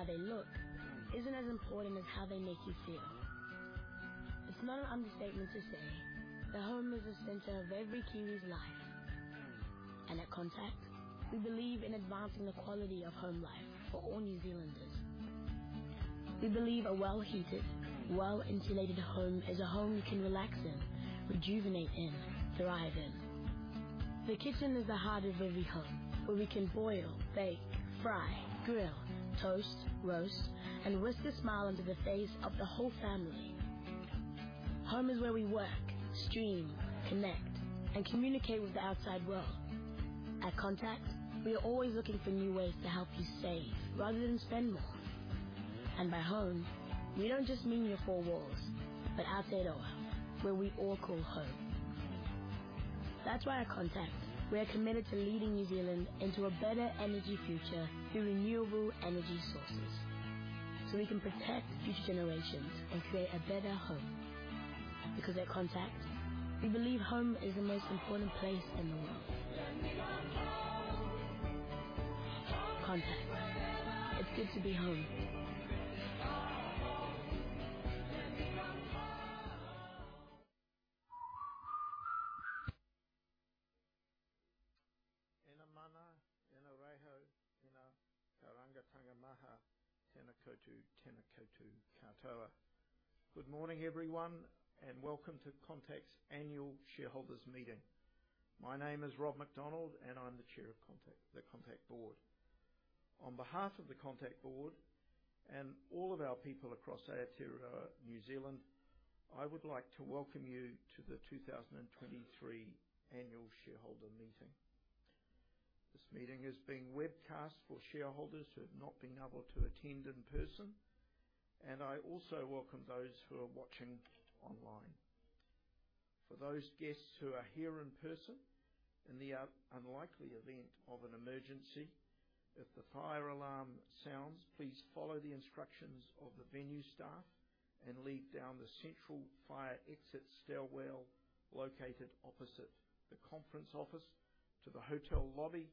But how they look isn't as important as how they make you feel. It's no understatement to say that home is the center of every Kiwi's life. And at Contact, we believe in advancing the quality of home life for all New Zealanders. We believe a well-heated, well-insulated home is a home you can relax in, rejuvenate in, thrive in. The kitchen is the heart of every home, where we can boil, bake, fry, grill, toast, roast, and whisk a smile onto the face of the whole family. Home is where we work, stream, connect, and communicate with the outside world. At Contact, we are always looking for new ways to help you save rather than spend more. And by home, we don't just mean your four walls, but Aotearoa, where we all call home. That's why at Contact, we are committed to leading New Zealand into a better energy future through renewable energy sources, so we can protect future generations and create a better home. Because at Contact, we believe home is the most important place in the world. Let me come home. Contact. It's good to be home. Let me come home. Ē ngā mana, ē ngā reo, ē ngā rangatira maha. Tēnā koutou, tēnā koutou, katoa. Good morning, everyone, and welcome to Contact's Annual Shareholders' Meeting. My name is Rob McDonald, and I'm the Chair of Contact, the Contact Board. On behalf of the Contact Board and all of our people across Aotearoa, New Zealand, I would like to welcome you to the 2023 Annual Shareholders' Meeting. This meeting is being webcast for shareholders who have not been able to attend in person, and I also welcome those who are watching online. For those guests who are here in person, in the unlikely event of an emergency, if the fire alarm sounds, please follow the instructions of the venue staff and leave down the central fire exit stairwell, located opposite the conference office, to the hotel lobby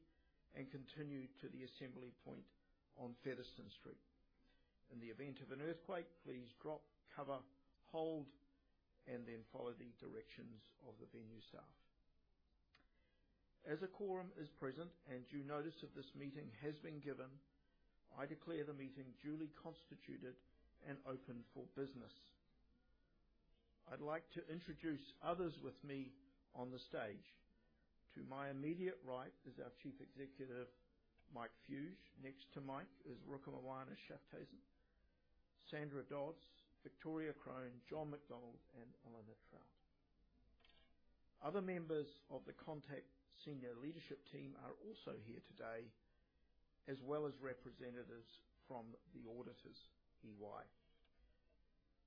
and continue to the assembly point on Featherston Street. In the event of an earthquake, please drop, cover, hold, and then follow the directions of the venue staff. As a quorum is present and due notice of this meeting has been given, I declare the meeting duly constituted and open for business. I'd like to introduce others with me on the stage. To my immediate right is our Chief Executive, Mike Fuge. Next to Mike is Rukumoana Schaafhausen, Sandra Dodds, Victoria Crone, John McDonald, and Elena Trout. Other members of the Contact senior leadership team are also here today, as well as representatives from the auditors, EY.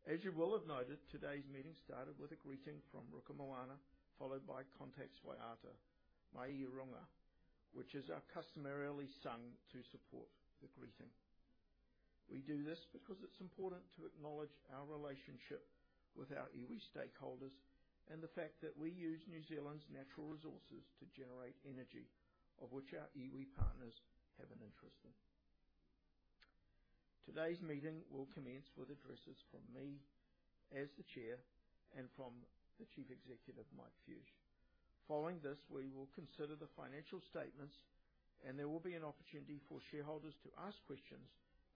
As you will have noted, today's meeting started with a greeting from Rukumoana, followed by Contact's waiata, Mai i Runga, which is customarily sung to support the greeting. We do this because it's important to acknowledge our relationship with our iwi stakeholders and the fact that we use New Zealand's natural resources to generate energy, of which our iwi partners have an interest in. Today's meeting will commence with addresses from me, as the chair, and from the Chief Executive, Mike Fuge. Following this, we will consider the financial statements, and there will be an opportunity for shareholders to ask questions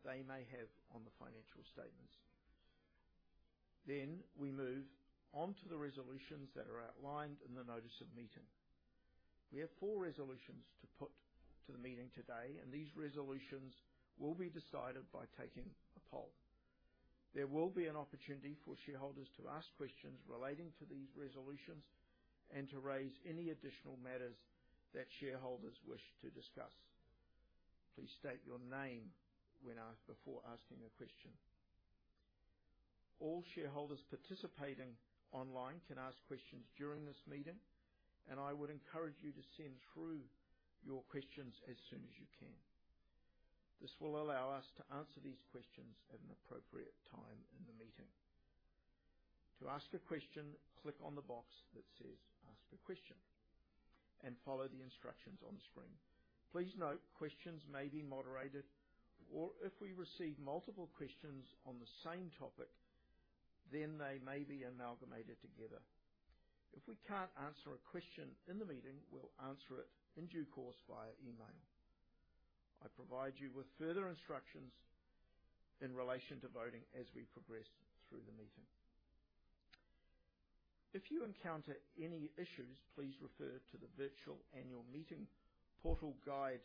they may have on the financial statements. We move on to the resolutions that are outlined in the notice of meeting. We have four resolutions to put to the meeting today, and these resolutions will be decided by taking a poll. There will be an opportunity for shareholders to ask questions relating to these resolutions and to raise any additional matters that shareholders wish to discuss. Please state your name before asking a question. All shareholders participating online can ask questions during this meeting, and I would encourage you to send through your questions as soon as you can. This will allow us to answer these questions at an appropriate time in the meeting. To ask a question, click on the box that says "Ask a question," and follow the instructions on the screen. Please note, questions may be moderated, or if we receive multiple questions on the same topic, then they may be amalgamated together. If we can't answer a question in the meeting, we'll answer it in due course via email. I provide you with further instructions in relation to voting as we progress through the meeting. If you encounter any issues, please refer to the Virtual Annual Meeting Portal Guide,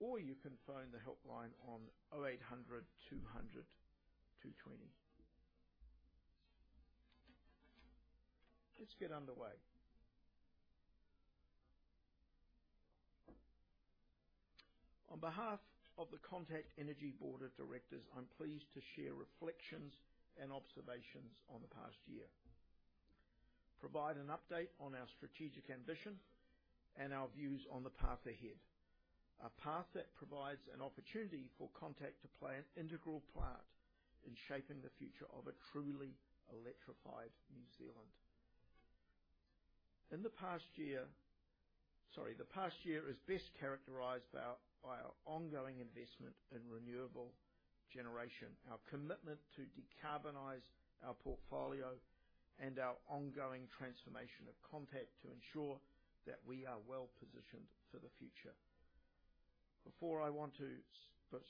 or you can phone the helpline on 0800 200 220. Let's get underway. On behalf of the Contact Energy Board of Directors, I'm pleased to share reflections and observations on the past year, provide an update on our strategic ambition, and our views on the path ahead. A path that provides an opportunity for Contact to play an integral part in shaping the future of a truly electrified New Zealand. Sorry, the past year is best characterized by our ongoing investment in renewable generation, our commitment to decarbonize our portfolio, and our ongoing transformation of Contact to ensure that we are well positioned for the future.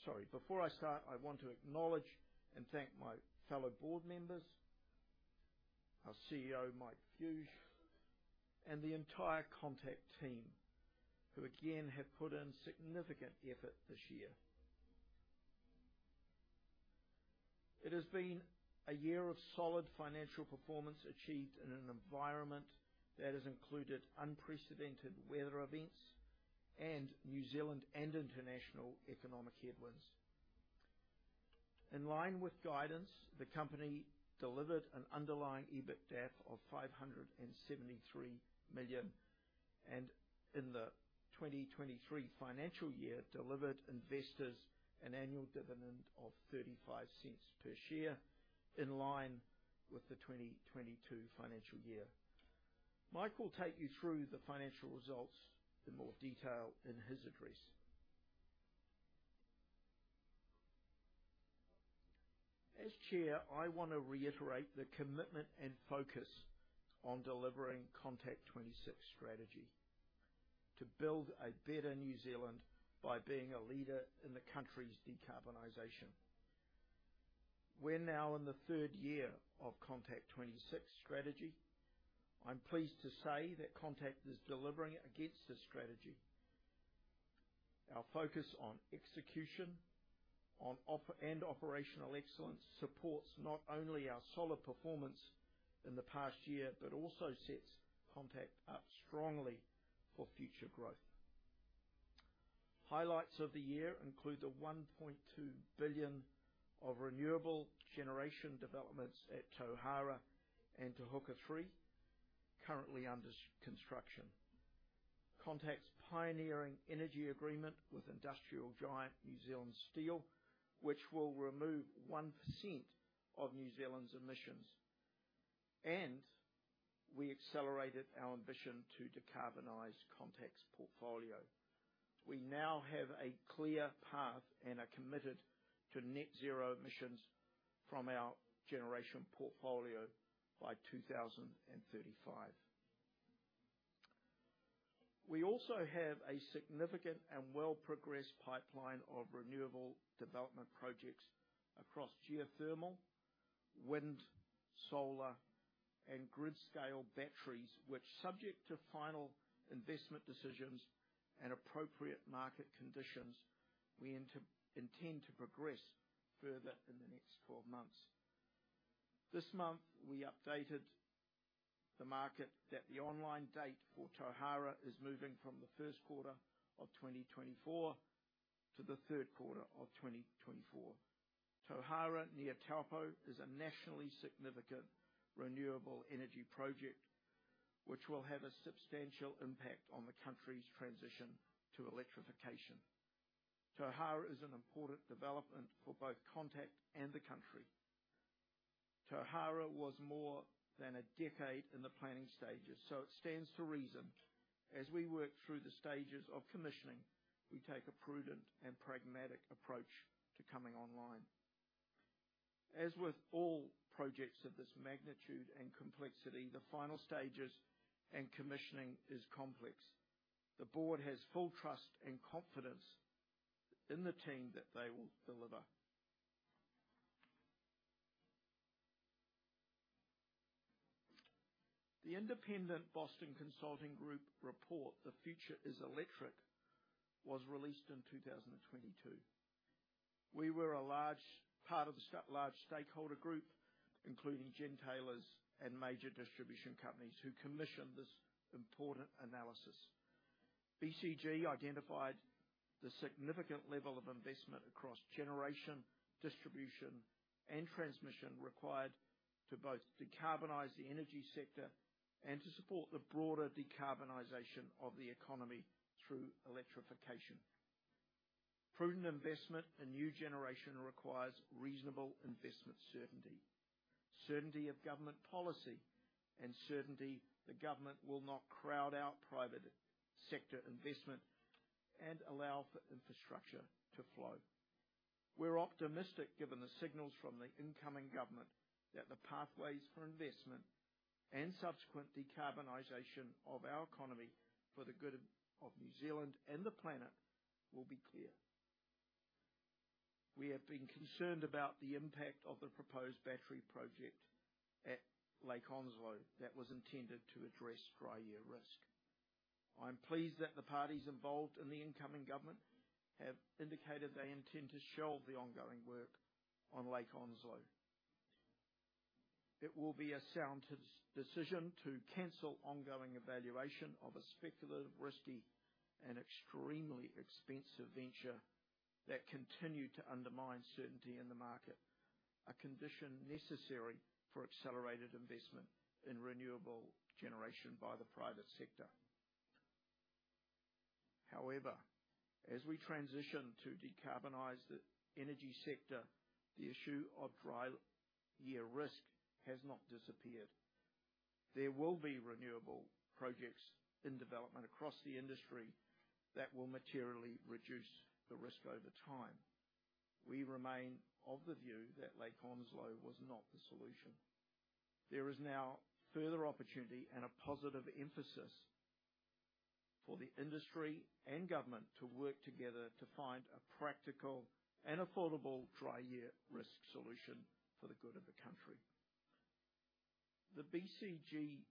Sorry, before I start, I want to acknowledge and thank my fellow board members, our CEO, Mike Fuge, and the entire Contact team, who again have put in significant effort this year. It has been a year of solid financial performance achieved in an environment that has included unprecedented weather events and New Zealand and international economic headwinds. In line with guidance, the company delivered an underlying EBITDA of 573 million, and in the 2023 financial year, delivered investors an annual dividend of 0.35 per share, in line with the 2022 financial year. Mike will take you through the financial results in more detail in his address. As Chair, I want to reiterate the commitment and focus on delivering Contact 26 strategy to build a better New Zealand by being a leader in the country's decarbonization. We're now in the third year of Contact 26 strategy. I'm pleased to say that Contact is delivering against this strategy. Our focus on execution, on operational excellence supports not only our solid performance in the past year, but also sets Contact up strongly for future growth. Highlights of the year include the 1.2 billion of renewable generation developments at Tauhara and Te Huka 3, currently under construction. Contact's pioneering energy agreement with industrial giant, New Zealand Steel, which will remove 1% of New Zealand's emissions, and we accelerated our ambition to decarbonize Contact's portfolio. We now have a clear path and are committed to net zero emissions from our generation portfolio by 2035. We also have a significant and well-progressed pipeline of renewable development projects across geothermal, wind, solar, and grid-scale batteries, which, subject to final investment decisions and appropriate market conditions, we intend to progress further in the next 12 months. This month, we updated the market that the online date for Tauhara is moving from the first quarter of 2024 to the third quarter of 2024. Tauhara, near Taupō, is a nationally significant renewable energy project, which will have a substantial impact on the country's transition to electrification. Tauhara is an important development for both Contact and the country. Tauhara was more than a decade in the planning stages, so it stands to reason, as we work through the stages of commissioning, we take a prudent and pragmatic approach to coming online. As with all projects of this magnitude and complexity, the final stages and commissioning is complex. The board has full trust and confidence in the team that they will deliver. The independent Boston Consulting Group report, The Future is Electric, was released in 2022. We were a large part of the large stakeholder group, including gen tailers and major distribution companies, who commissioned this important analysis. BCG identified the significant level of investment across generation, distribution, and transmission required to both decarbonize the energy sector and to support the broader decarbonization of the economy through electrification. Prudent investment in new generation requires reasonable investment certainty, certainty of government policy, and certainty the government will not crowd out private sector investment and allow for infrastructure to flow. We're optimistic, given the signals from the incoming government, that the pathways for investment and subsequent decarbonization of our economy for the good of New Zealand and the planet will be clear. We have been concerned about the impact of the proposed battery project at Lake Onslow that was intended to address dry year risk. I'm pleased that the parties involved in the incoming government have indicated they intend to shelve the ongoing work on Lake Onslow. It will be a sound decision to cancel ongoing evaluation of a speculative, risky, and extremely expensive venture that continued to undermine certainty in the market, a condition necessary for accelerated investment in renewable generation by the private sector.... However, as we transition to decarbonize the energy sector, the issue of dry year risk has not disappeared. There will be renewable projects in development across the industry that will materially reduce the risk over time. We remain of the view that Lake Onslow was not the solution. There is now further opportunity and a positive emphasis for the industry and government to work together to find a practical and affordable dry year risk solution for the good of the country. The BCG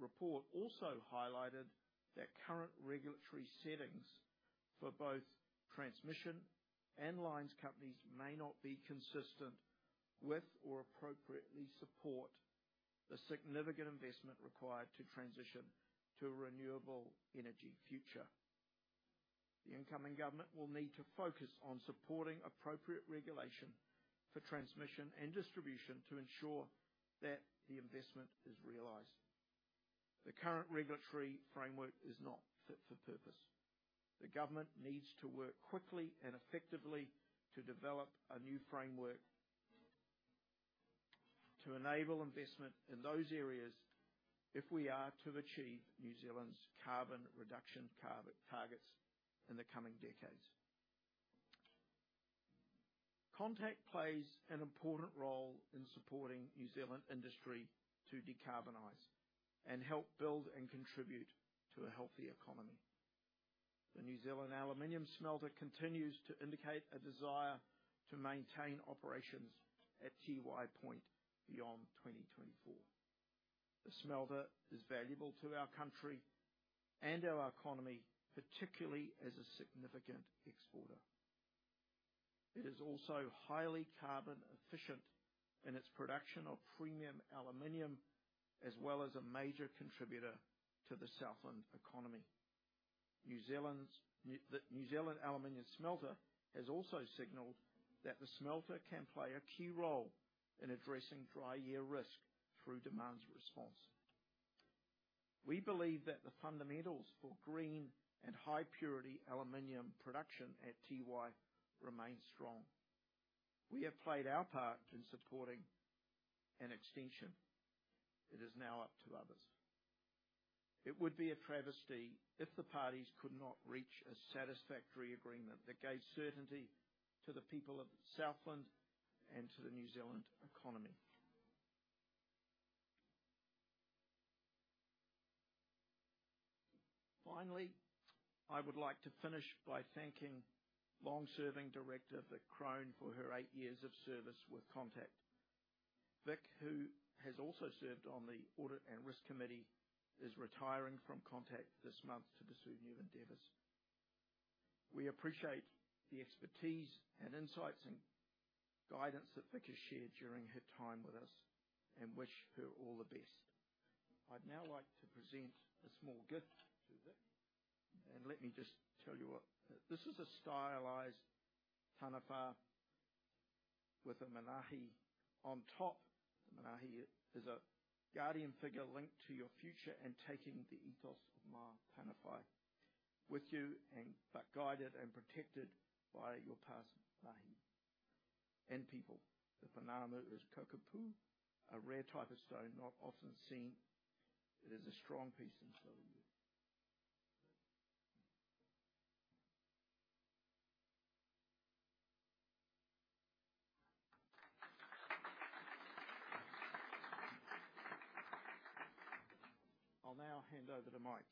report also highlighted that current regulatory settings for both transmission and lines companies may not be consistent with or appropriately support the significant investment required to transition to a renewable energy future. The incoming government will need to focus on supporting appropriate regulation for transmission and distribution to ensure that the investment is realized. The current regulatory framework is not fit for purpose. The government needs to work quickly and effectively to develop a new framework to enable investment in those areas if we are to achieve New Zealand's carbon reduction targets in the coming decades. Contact plays an important role in supporting New Zealand industry to decarbonize and help build and contribute to a healthier economy. The New Zealand Aluminium Smelter continues to indicate a desire to maintain operations at Tiwai Point beyond 2024. The smelter is valuable to our country and our economy, particularly as a significant exporter. It is also highly carbon efficient in its production of premium aluminum, as well as a major contributor to the Southland economy. The New Zealand Aluminium Smelter has also signaled that the smelter can play a key role in addressing dry year risk through demand response. We believe that the fundamentals for green and high purity aluminum production at Tiwai remain strong. We have played our part in supporting an extension. It is now up to others. It would be a travesty if the parties could not reach a satisfactory agreement that gave certainty to the people of Southland and to the New Zealand economy. Finally, I would like to finish by thanking long-serving director, Vic Crone, for her eight years of service with Contact. Vic, who has also served on the Audit and Risk Committee, is retiring from Contact this month to pursue new endeavors. We appreciate the expertise, and insights, and guidance that Vic has shared during her time with us, and wish her all the best. I'd now like to present a small gift to Vic, and let me just tell you what... This is a stylized taniwha with a manaia on top. The manaia is a guardian figure linked to your future and taking the ethos of ma taniwha with you and but guided and protected by your past life and people. The pounamu is Kokopu, a rare type of stone, not often seen. It is a strong piece and so are you. I'll now hand over to Mike.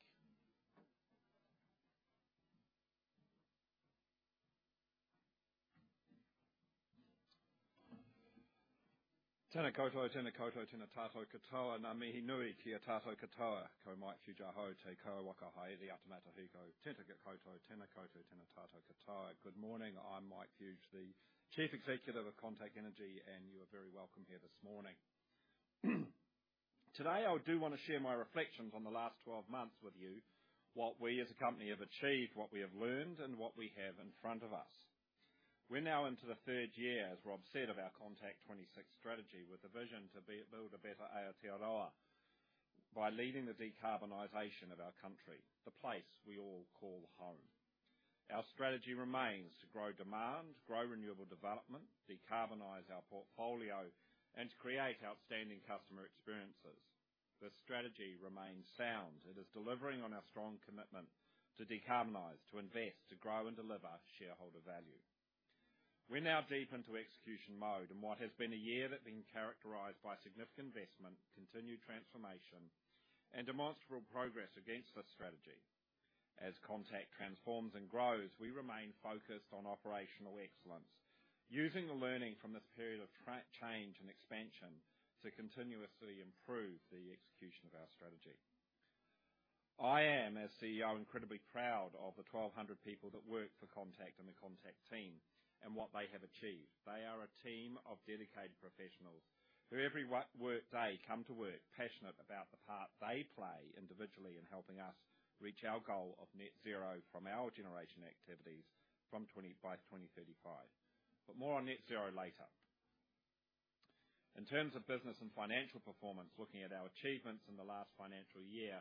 Tēnā koutou, tēnā koutou, tēnā tātou katoa. Ngā mihi nui ki a tātou katoa. Ko Mike Fuge ahau te kauwaka here i te ata mātahi ko. Tēnā koutou, tēnā koutou, tēnā tātou katoa. Good morning, I'm Mike Fuge, the Chief Executive of Contact Energy, and you are very welcome here this morning. Today, I do want to share my reflections on the last 12 months with you, what we as a company have achieved, what we have learned, and what we have in front of us. We're now into the third year, as Rob said, of our Contact 26 strategy, with a vision to build a better Aotearoa by leading the decarbonization of our country, the place we all call home. Our strategy remains to grow demand, grow renewable development, decarbonize our portfolio, and to create outstanding customer experiences. This strategy remains sound. It is delivering on our strong commitment to decarbonize, to invest, to grow, and deliver shareholder value. We're now deep into execution mode, in what has been a year that has been characterized by significant investment, continued transformation, and demonstrable progress against this strategy. As Contact transforms and grows, we remain focused on operational excellence, using the learning from this period of transformation and change and expansion to continuously improve the execution of our strategy. I am, as CEO, incredibly proud of the 1,200 people that work for Contact and the Contact team, and what they have achieved. They are a team of dedicated professionals, who every workday, come to work passionate about the part they play individually in helping us reach our goal of net zero from our generation activities by 2035. But more on net zero later. In terms of business and financial performance, looking at our achievements in the last financial year,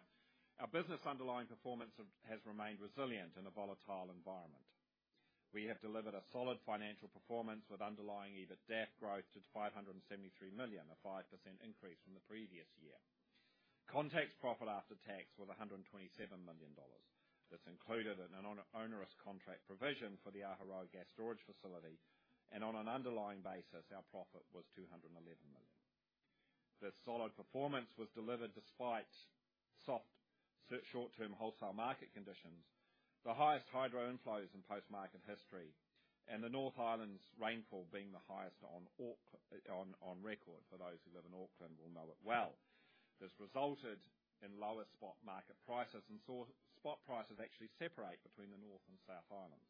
our business underlying performance has remained resilient in a volatile environment. We have delivered a solid financial performance with underlying EBITDAF growth to 573 million, a 5% increase from the previous year. Contact's profit after tax was NZD 127 million. This included an onerous contract provision for the Āwharangi gas storage facility, and on an underlying basis, our profit was 211 million. This solid performance was delivered despite soft short-term wholesale market conditions, the highest hydro inflows in post-market history, and the North Island's rainfall being the highest on record. For those who live in Auckland will know it well. This resulted in lower spot market prices and saw spot prices actually separate between the North and South Islands.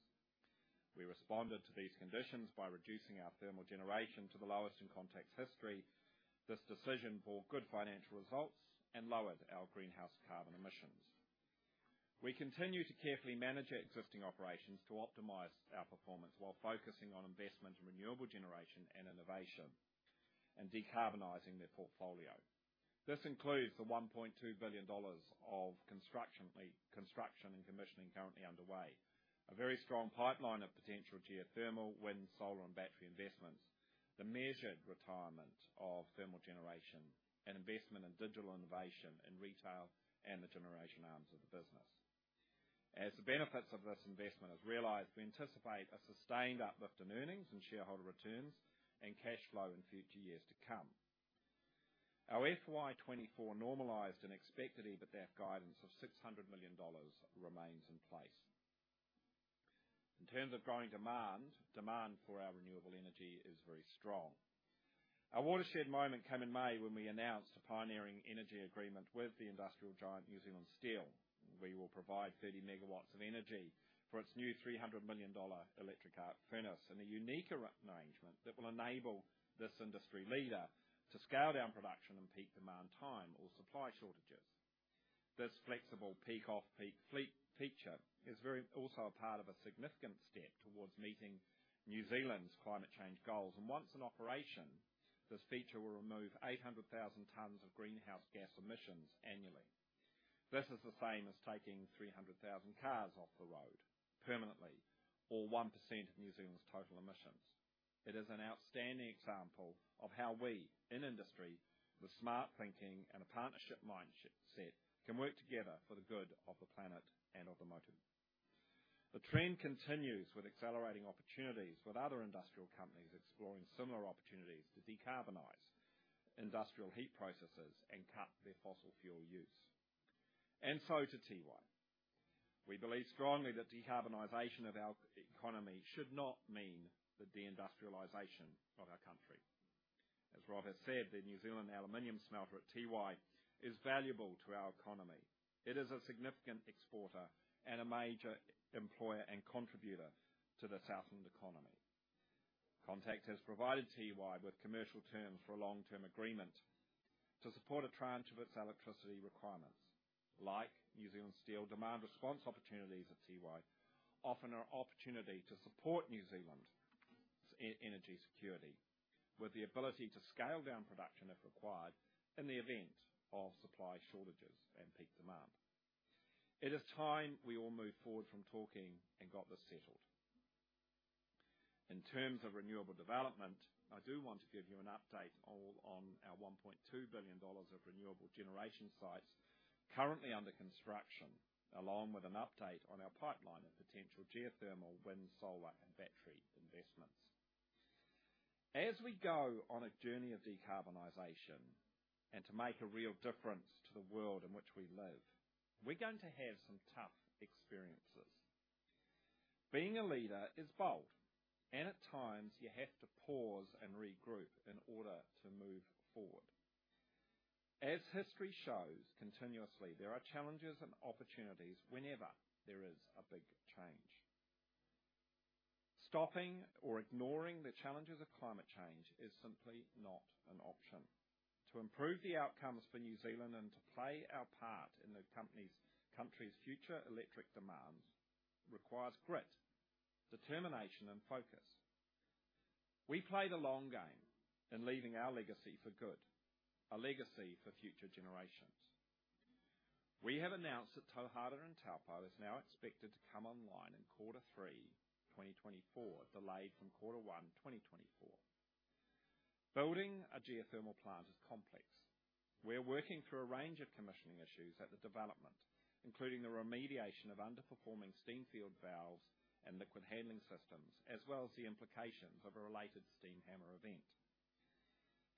We responded to these conditions by reducing our thermal generation to the lowest in Contact's history. This decision bore good financial results and lowered our greenhouse carbon emissions. We continue to carefully manage our existing operations to optimize our performance, while focusing on investment in renewable generation and innovation, and decarbonizing their portfolio. This includes the 1.2 billion dollars of construction and commissioning currently underway. A very strong pipeline of potential geothermal, wind, solar, and battery investments, the measured retirement of thermal generation, and investment in digital innovation in retail and the generation arms of the business. As the benefits of this investment is realized, we anticipate a sustained uplift in earnings and shareholder returns and cash flow in future years to come. Our FY 2024 normalized and expected EBITDAF guidance of 600 million dollars remains in place. In terms of growing demand, demand for our renewable energy is very strong. Our watershed moment came in May, when we announced a pioneering energy agreement with the industrial giant, New Zealand Steel. We will provide 30 megawatts of energy for its new 300 million dollar electric arc furnace in a unique arrangement that will enable this industry leader to scale down production in peak demand time or supply shortages. This flexible peak/off-peak feature is also a part of a significant step towards meeting New Zealand's climate change goals, and once in operation, this feature will remove 800,000 tons of greenhouse gas emissions annually. This is the same as taking 300,000 cars off the road permanently, or 1% of New Zealand's total emissions. It is an outstanding example of how we, in industry, with smart thinking and a partnership mindset, can work together for the good of the planet and of the Māori. The trend continues with accelerating opportunities, with other industrial companies exploring similar opportunities to decarbonize industrial heat processes and cut their fossil fuel use. And so to Tiwai. We believe strongly that decarbonization of our economy should not mean the de-industrialization of our country. As Rob has said, the New Zealand aluminum smelter at Tiwai is valuable to our economy. It is a significant exporter and a major employer and contributor to the Southland economy. Contact has provided Tiwai with commercial terms for a long-term agreement to support a tranche of its electricity requirements. Like New Zealand Steel, demand response opportunities at Tiwai offer an opportunity to support New Zealand's energy security, with the ability to scale down production, if required, in the event of supply shortages and peak demand. It is time we all moved forward from talking and got this settled. In terms of renewable development, I do want to give you an update on our 1.2 billion dollars of renewable generation sites currently under construction, along with an update on our pipeline of potential geothermal, wind, solar, and battery investments. As we go on a journey of decarbonization and to make a real difference to the world in which we live, we're going to have some tough experiences. Being a leader is bold, and at times you have to pause and regroup in order to move forward. As history shows continuously, there are challenges and opportunities whenever there is a big change. Stopping or ignoring the challenges of climate change is simply not an option. To improve the outcomes for New Zealand and to play our part in the company's-- country's future electric demands requires grit, determination, and focus. We play the long game in leaving our legacy for good, a legacy for future generations. We have announced that Tauhara and Taupō is now expected to come online in quarter 3, 2024, delayed from quarter 1, 2024. Building a geothermal plant is complex. We're working through a range of commissioning issues at the development, including the remediation of underperforming steam field valves and liquid handling systems, as well as the implications of a related steam hammer event.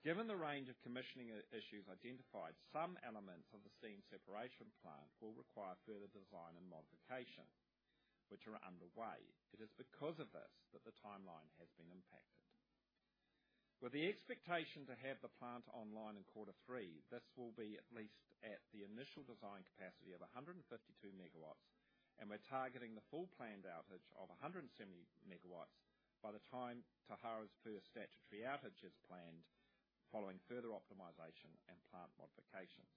Given the range of commissioning issues identified, some elements of the steam separation plant will require further design and modification, which are underway. It is because of this, that the timeline has been impacted. With the expectation to have the plant online in quarter three, this will be at least at the initial design capacity of 152 megawatts, and we're targeting the full planned outage of 170 megawatts by the time Tauhara's first statutory outage is planned, following further optimization and plant modifications.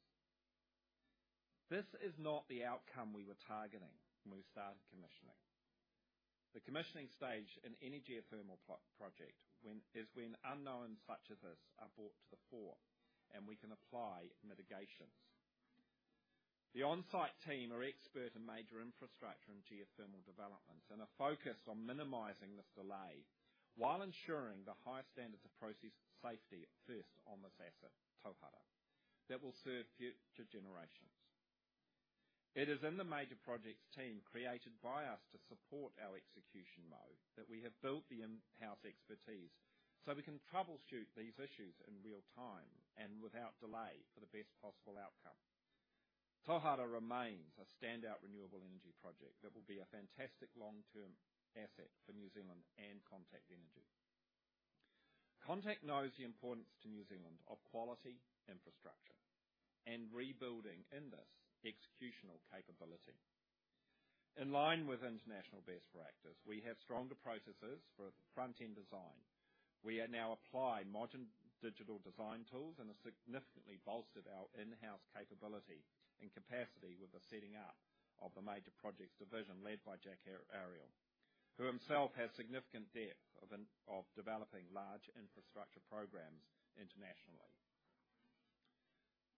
This is not the outcome we were targeting when we started commissioning. The commissioning stage in any geothermal project is when unknowns such as this are brought to the fore, and we can apply mitigations. The on-site team are expert in major infrastructure and geothermal developments, and are focused on minimizing this delay while ensuring the highest standards of process safety first on this asset, Tauhara, that will serve future generations. It is in the major projects team, created by us to support our execution mode, that we have built the in-house expertise, so we can troubleshoot these issues in real time and without delay for the best possible outcome. Tauhara remains a standout renewable energy project that will be a fantastic long-term asset for New Zealand and Contact Energy. Contact knows the importance to New Zealand of quality infrastructure and rebuilding in this executional capability. In line with international best practices, we have stronger processes for front-end design. We are now applying modern digital design tools and have significantly bolstered our in-house capability and capacity with the setting up of the major projects division, led by Jack Ariel, who himself has significant depth of developing large infrastructure programs internationally.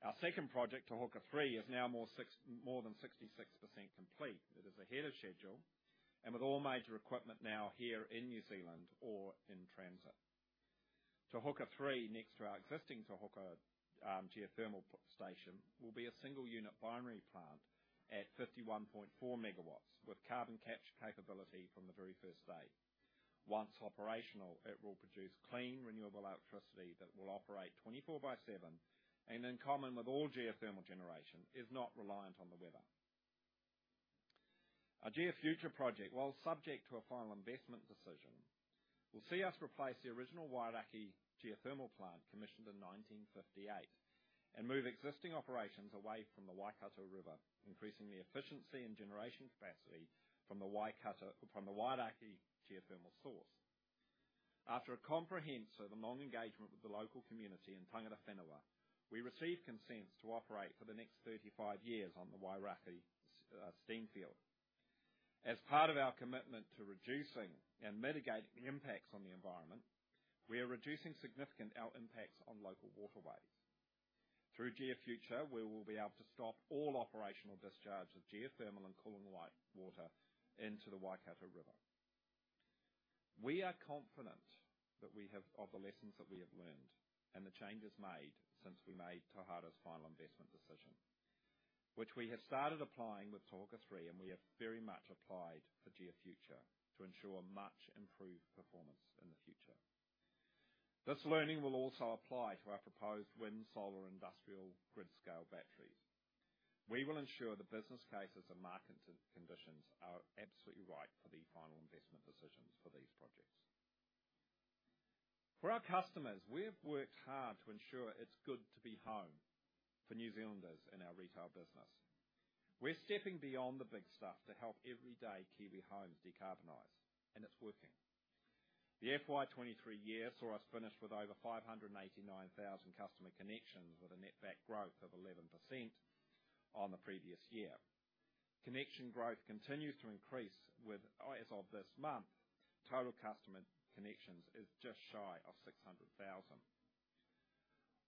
Our second project, Te Huka 3, is now more than 66% complete. It is ahead of schedule and with all major equipment now here in New Zealand or in transit. Te Huka 3, next to our existing Te Huka geothermal station, will be a single unit binary plant at 51.4 megawatts, with carbon capture capability from the very first day. Once operational, it will produce clean, renewable electricity that will operate 24/7, and in common with all geothermal generation, is not reliant on the weather. Our Geofuture project, while subject to a final investment decision, will see us replace the original Wairakei geothermal plant commissioned in 1958, and move existing operations away from the Waikato River, increasing the efficiency and generation capacity from the Waikato—from the Wairakei geothermal source. After a comprehensive and long engagement with the local community in Tangata Whenua, we received consent to operate for the next 35 years on the Wairakei steam field. As part of our commitment to reducing and mitigating the impacts on the environment, we are reducing significant our impacts on local waterways. Through Geofuture, we will be able to stop all operational discharge of geothermal and cooling white water into the Waikato River. We are confident that of the lessons that we have learned and the changes made since we made Tauhara's final investment decision, which we have started applying with Te Huka 3, and we have very much applied for Geofuture to ensure much improved performance in the future. This learning will also apply to our proposed wind, solar, industrial, grid-scale batteries. We will ensure the business cases and market conditions are absolutely right for the final investment decisions for these projects. For our customers, we have worked hard to ensure it's good to be home for New Zealanders in our retail business. We're stepping beyond the big stuff to help everyday Kiwi homes decarbonize, and it's working. The FY 2023 year saw us finish with over 589,000 customer connections, with a net back growth of 11% on the previous year. Connection growth continues to increase with, as of this month, total customer connections is just shy of 600,000.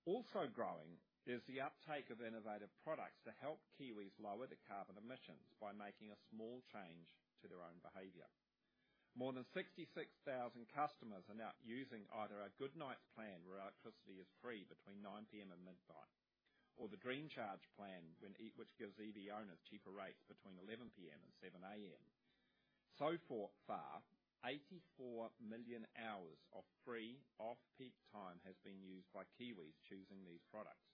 Also growing is the uptake of innovative products to help Kiwis lower their carbon emissions by making a small change to their own behavior. More than 66,000 customers are now using either our Good Night Plan, where electricity is free between 9:00 P.M. and midnight, or the Green Charge Plan, which gives EV owners cheaper rates between 11:00 P.M. and 7:00 A.M. So far, 84 million hours of free off-peak time has been used by Kiwis choosing these products.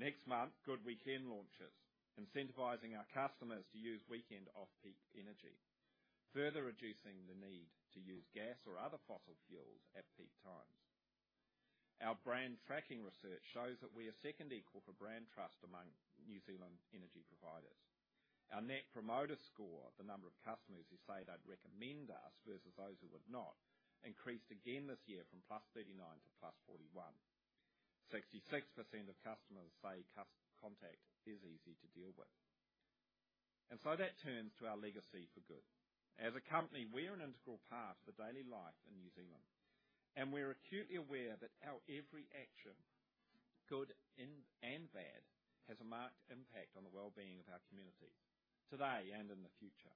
Next month, Good Weekend launches, incentivizing our customers to use weekend off-peak energy, further reducing the need to use gas or other fossil fuels at peak times. Our brand tracking research shows that we are second equal for brand trust among New Zealand energy providers. Our Net Promoter Score, the number of customers who say they'd recommend us versus those who would not, increased again this year from +39 to +41. 66% of customers say Contact is easy to deal with. And so that turns to our legacy for good. As a company, we are an integral part of the daily life in New Zealand, and we're acutely aware that our every action, good and, and bad, has a marked impact on the well-being of our community, today and in the future.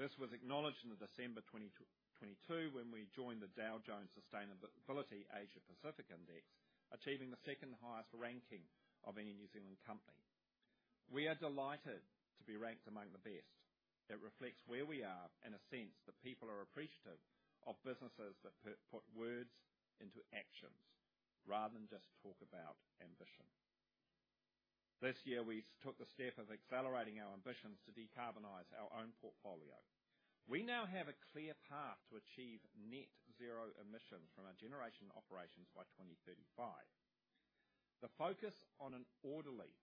This was acknowledged in December 2022, when we joined the Dow Jones Sustainability Asia Pacific Index, achieving the second highest ranking of any New Zealand company. We are delighted to be ranked among the best. It reflects where we are and assumes that people are appreciative of businesses that put words into actions rather than just talk about ambition. This year, we took the step of accelerating our ambitions to decarbonize our own portfolio. We now have a clear path to achieve net zero emissions from our generation operations by 2035. The focus on an orderly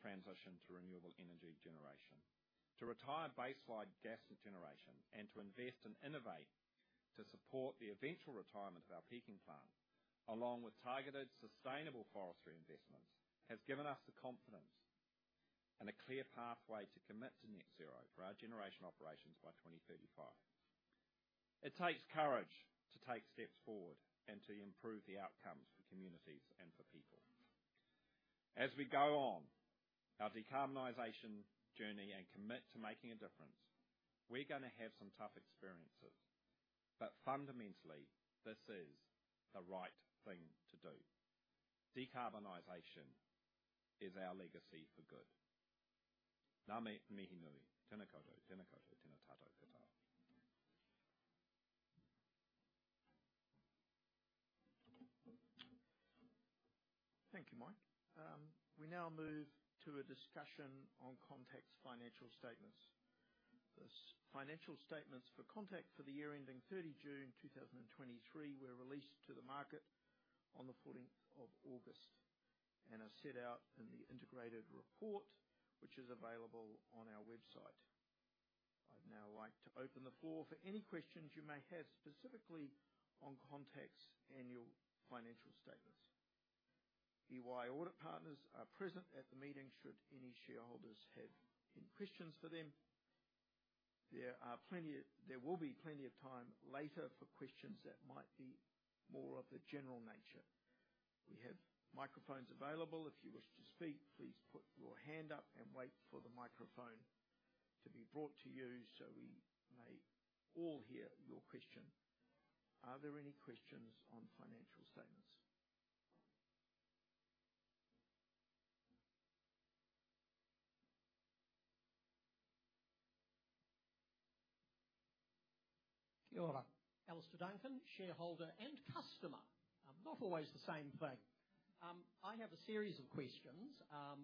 transition to renewable energy generation, to retire baseline gas generation, and to invest and innovate to support the eventual retirement of our peaking plant, along with targeted sustainable forestry investments, has given us the confidence and a clear pathway to commit to net zero for our generation operations by 2035. It takes courage to take steps forward and to improve the outcomes for communities and for people. As we go on our decarbonization journey and commit to making a difference, we're gonna have some tough experiences, but fundamentally, this is the right thing to do. Decarbonization is our legacy for good. Thank you, Mike. We now move to a discussion on Contact's financial statements. The financial statements for Contact for the year ending 30 June 2023 were released to the market on 14 August and are set out in the integrated report, which is available on our website. I'd now like to open the floor for any questions you may have, specifically on Contact's annual financial statements. EY Audit partners are present at the meeting. Should any shareholders have any questions for them. There will be plenty of time later for questions that might be more of a general nature. We have microphones available. If you wish to speak, please put your hand up and wait for the microphone to be brought to you, so we may all hear your question. Are there any questions on financial statements? Alistair Duncan, shareholder and customer. Not always the same thing. I have a series of questions,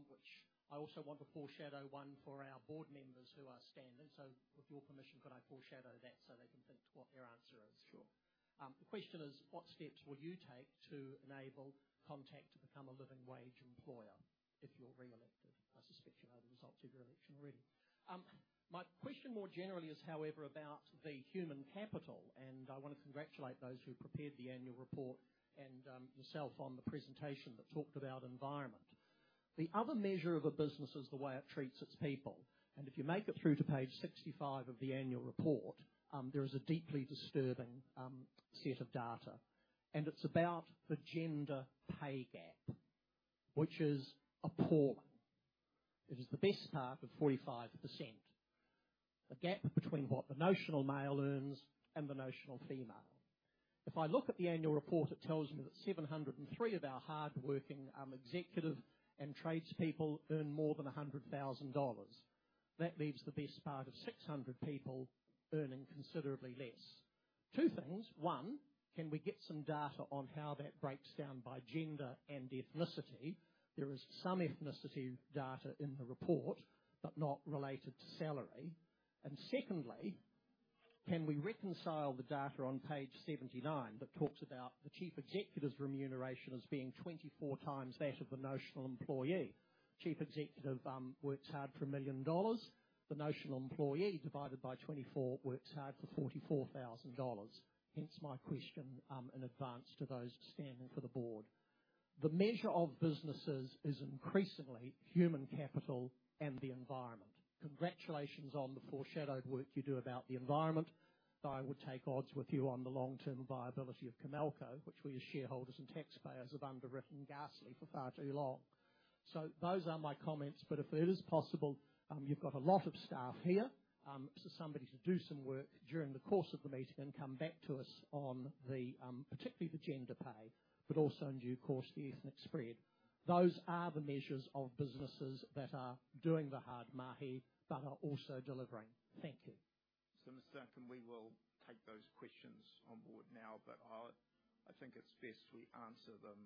which I also want to foreshadow one for our board members who are standing. So with your permission, could I foreshadow that so they can think what their answer is? Sure. The question is: What steps will you take to enable Contact to become a living wage employer if you're reelected? I suspect you know the results of your election already. My question more generally is, however, about the human capital, and I want to congratulate those who prepared the annual report and yourself on the presentation that talked about environment. The other measure of a business is the way it treats its people, and if you make it through to page 65 of the annual report, there is a deeply disturbing set of data, and it's about the gender pay gap, which is appalling. It is the best part of 45%, the gap between what the notional male earns and the notional female. If I look at the annual report, it tells me that 703 of our hardworking, executive and tradespeople earn more than 100,000 dollars. That leaves the best part of 600 people earning considerably less. Two things: One, can we get some data on how that breaks down by gender and ethnicity? There is some ethnicity data in the report, but not related to salary. And secondly, can we reconcile the data on page 79 that talks about the Chief Executive's remuneration as being 24 times that of the notional employee? Chief Executive, works hard for 1 million dollars. The notional employee, divided by 24, works hard for 44,000 dollars. Hence my question, in advance to those standing for the board. The measure of businesses is increasingly human capital and the environment. Congratulations on the foreshadowed work you do about the environment, but I would take odds with you on the long-term viability of Comalco, which we, as shareholders and taxpayers, have underwritten ghastly for far too long. So those are my comments, but if it is possible, you've got a lot of staff here, so somebody to do some work during the course of the meeting and come back to us on the, particularly the gender pay, but also in due course, the ethnic spread. Those are the measures of businesses that are doing the hard mahi but are also delivering. Thank you. Mr. Duncan, we will take those questions on board now, but I'll, I think it's best we answer them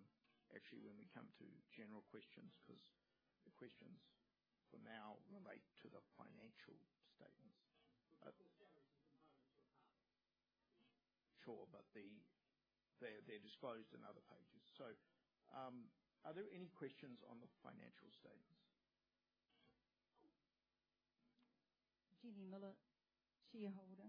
actually when we come to general questions, 'cause the questions for now relate to the financial statements. But the salary is a component to a part. Sure. But they're disclosed in other pages. So, are there any questions on the financial statements? Jenny Miller, shareholder.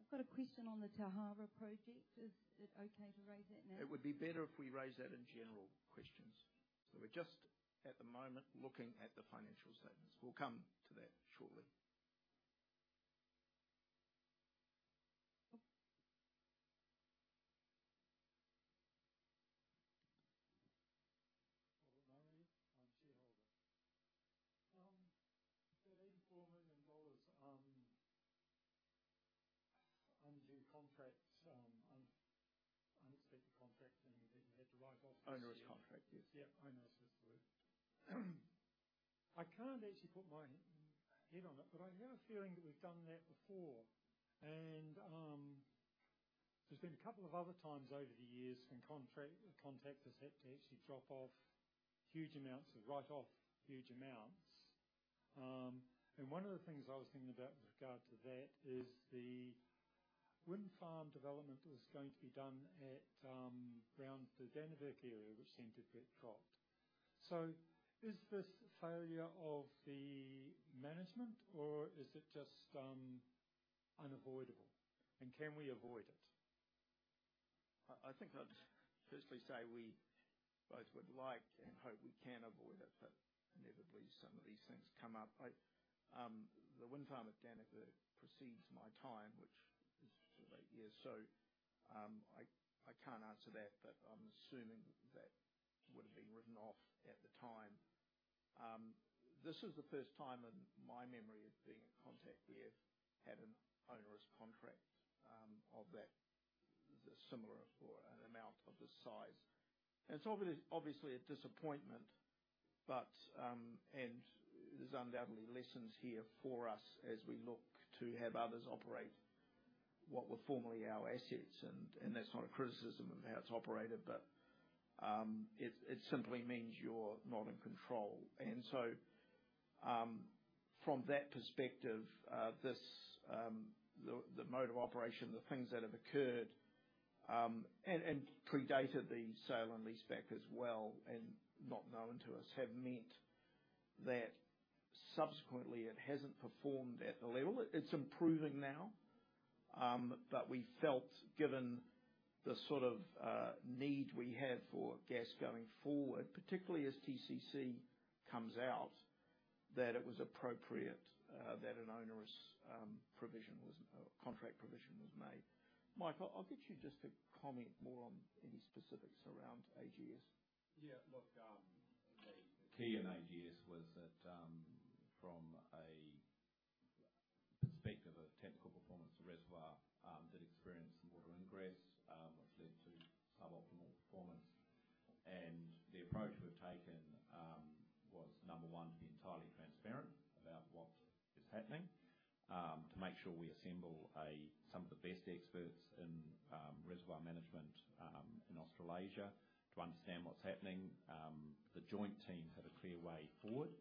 I've got a question on the Tauhara project. Is it okay to raise that now? It would be better if we raise that in general questions. So we're just at the moment looking at the financial statements. We'll come to that shortlyPaul Murray, I'm shareholder. That NZD 84 million, onerous contract, and that you had to write off- Onerous contract. Yes. Yeah, onerous was the word. I can't actually put my finger on it, but I have a feeling that we've done that before. And, there's been a couple of other times over the years when Contact has had to actually drop off huge amounts and write off huge amounts. And one of the things I was thinking about with regard to that is the wind farm development-... Going to be done at, around the Dannevirke area, which seemed to get caught. So is this failure of the management or is it just, unavoidable, and can we avoid it? I think I'd firstly say we both would like and hope we can avoid it, but inevitably, some of these things come up. The wind farm at Dannevirke precedes my time, which is sort of eight years. So, I can't answer that, but I'm assuming that would have been written off at the time. This is the first time in my memory of being at Contact, we have had an onerous contract, of that similar or an amount of this size. And it's obviously, obviously a disappointment, but, and there's undoubtedly lessons here for us as we look to have others operate what were formerly our assets. And that's not a criticism of how it's operated, but, it simply means you're not in control. From that perspective, this, the mode of operation, the things that have occurred and predated the sale and leaseback as well, and not known to us, have meant that subsequently it hasn't performed at the level. It's improving now. We felt, given the sort of need we have for gas going forward, particularly as TCC comes out, that it was appropriate that an onerous contract provision was made. Mike, I'll get you just to comment more on any specifics around AGS. Yeah, look, the key in AGS was that, from a perspective of technical performance, the reservoir did experience some water ingress, which led to suboptimal performance. The approach we've taken was, number one, to be entirely transparent about what is happening, to make sure we assemble some of the best experts in reservoir management in Australasia to understand what's happening. The joint team had a clear way forward,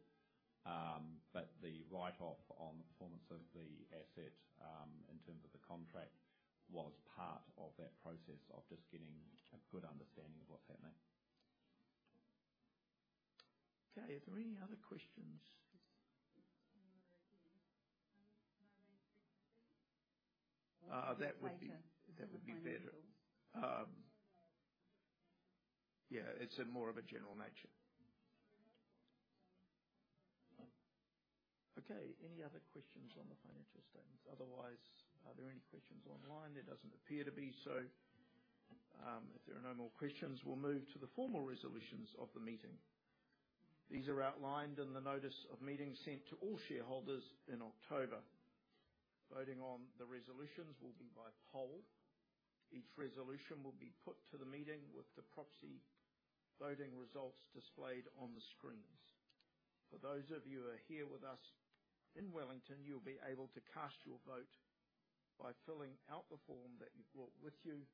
but the write-off on the performance of the asset, in terms of the contract, was part of that process of just getting a good understanding of what's happening. Okay. Are there any other questions? That would be better. Yeah, it's more of a general nature. Okay. Any other questions on the financial statements? Otherwise, are there any questions online? There doesn't appear to be so. If there are no more questions, we'll move to the formal resolutions of the meeting. These are outlined in the notice of meeting sent to all shareholders in October. Voting on the resolutions will be by poll. Each resolution will be put to the meeting, with the proxy voting results displayed on the screens. For those of you who are here with us in Wellington, you'll be able to cast your vote by filling out the form that you've brought with you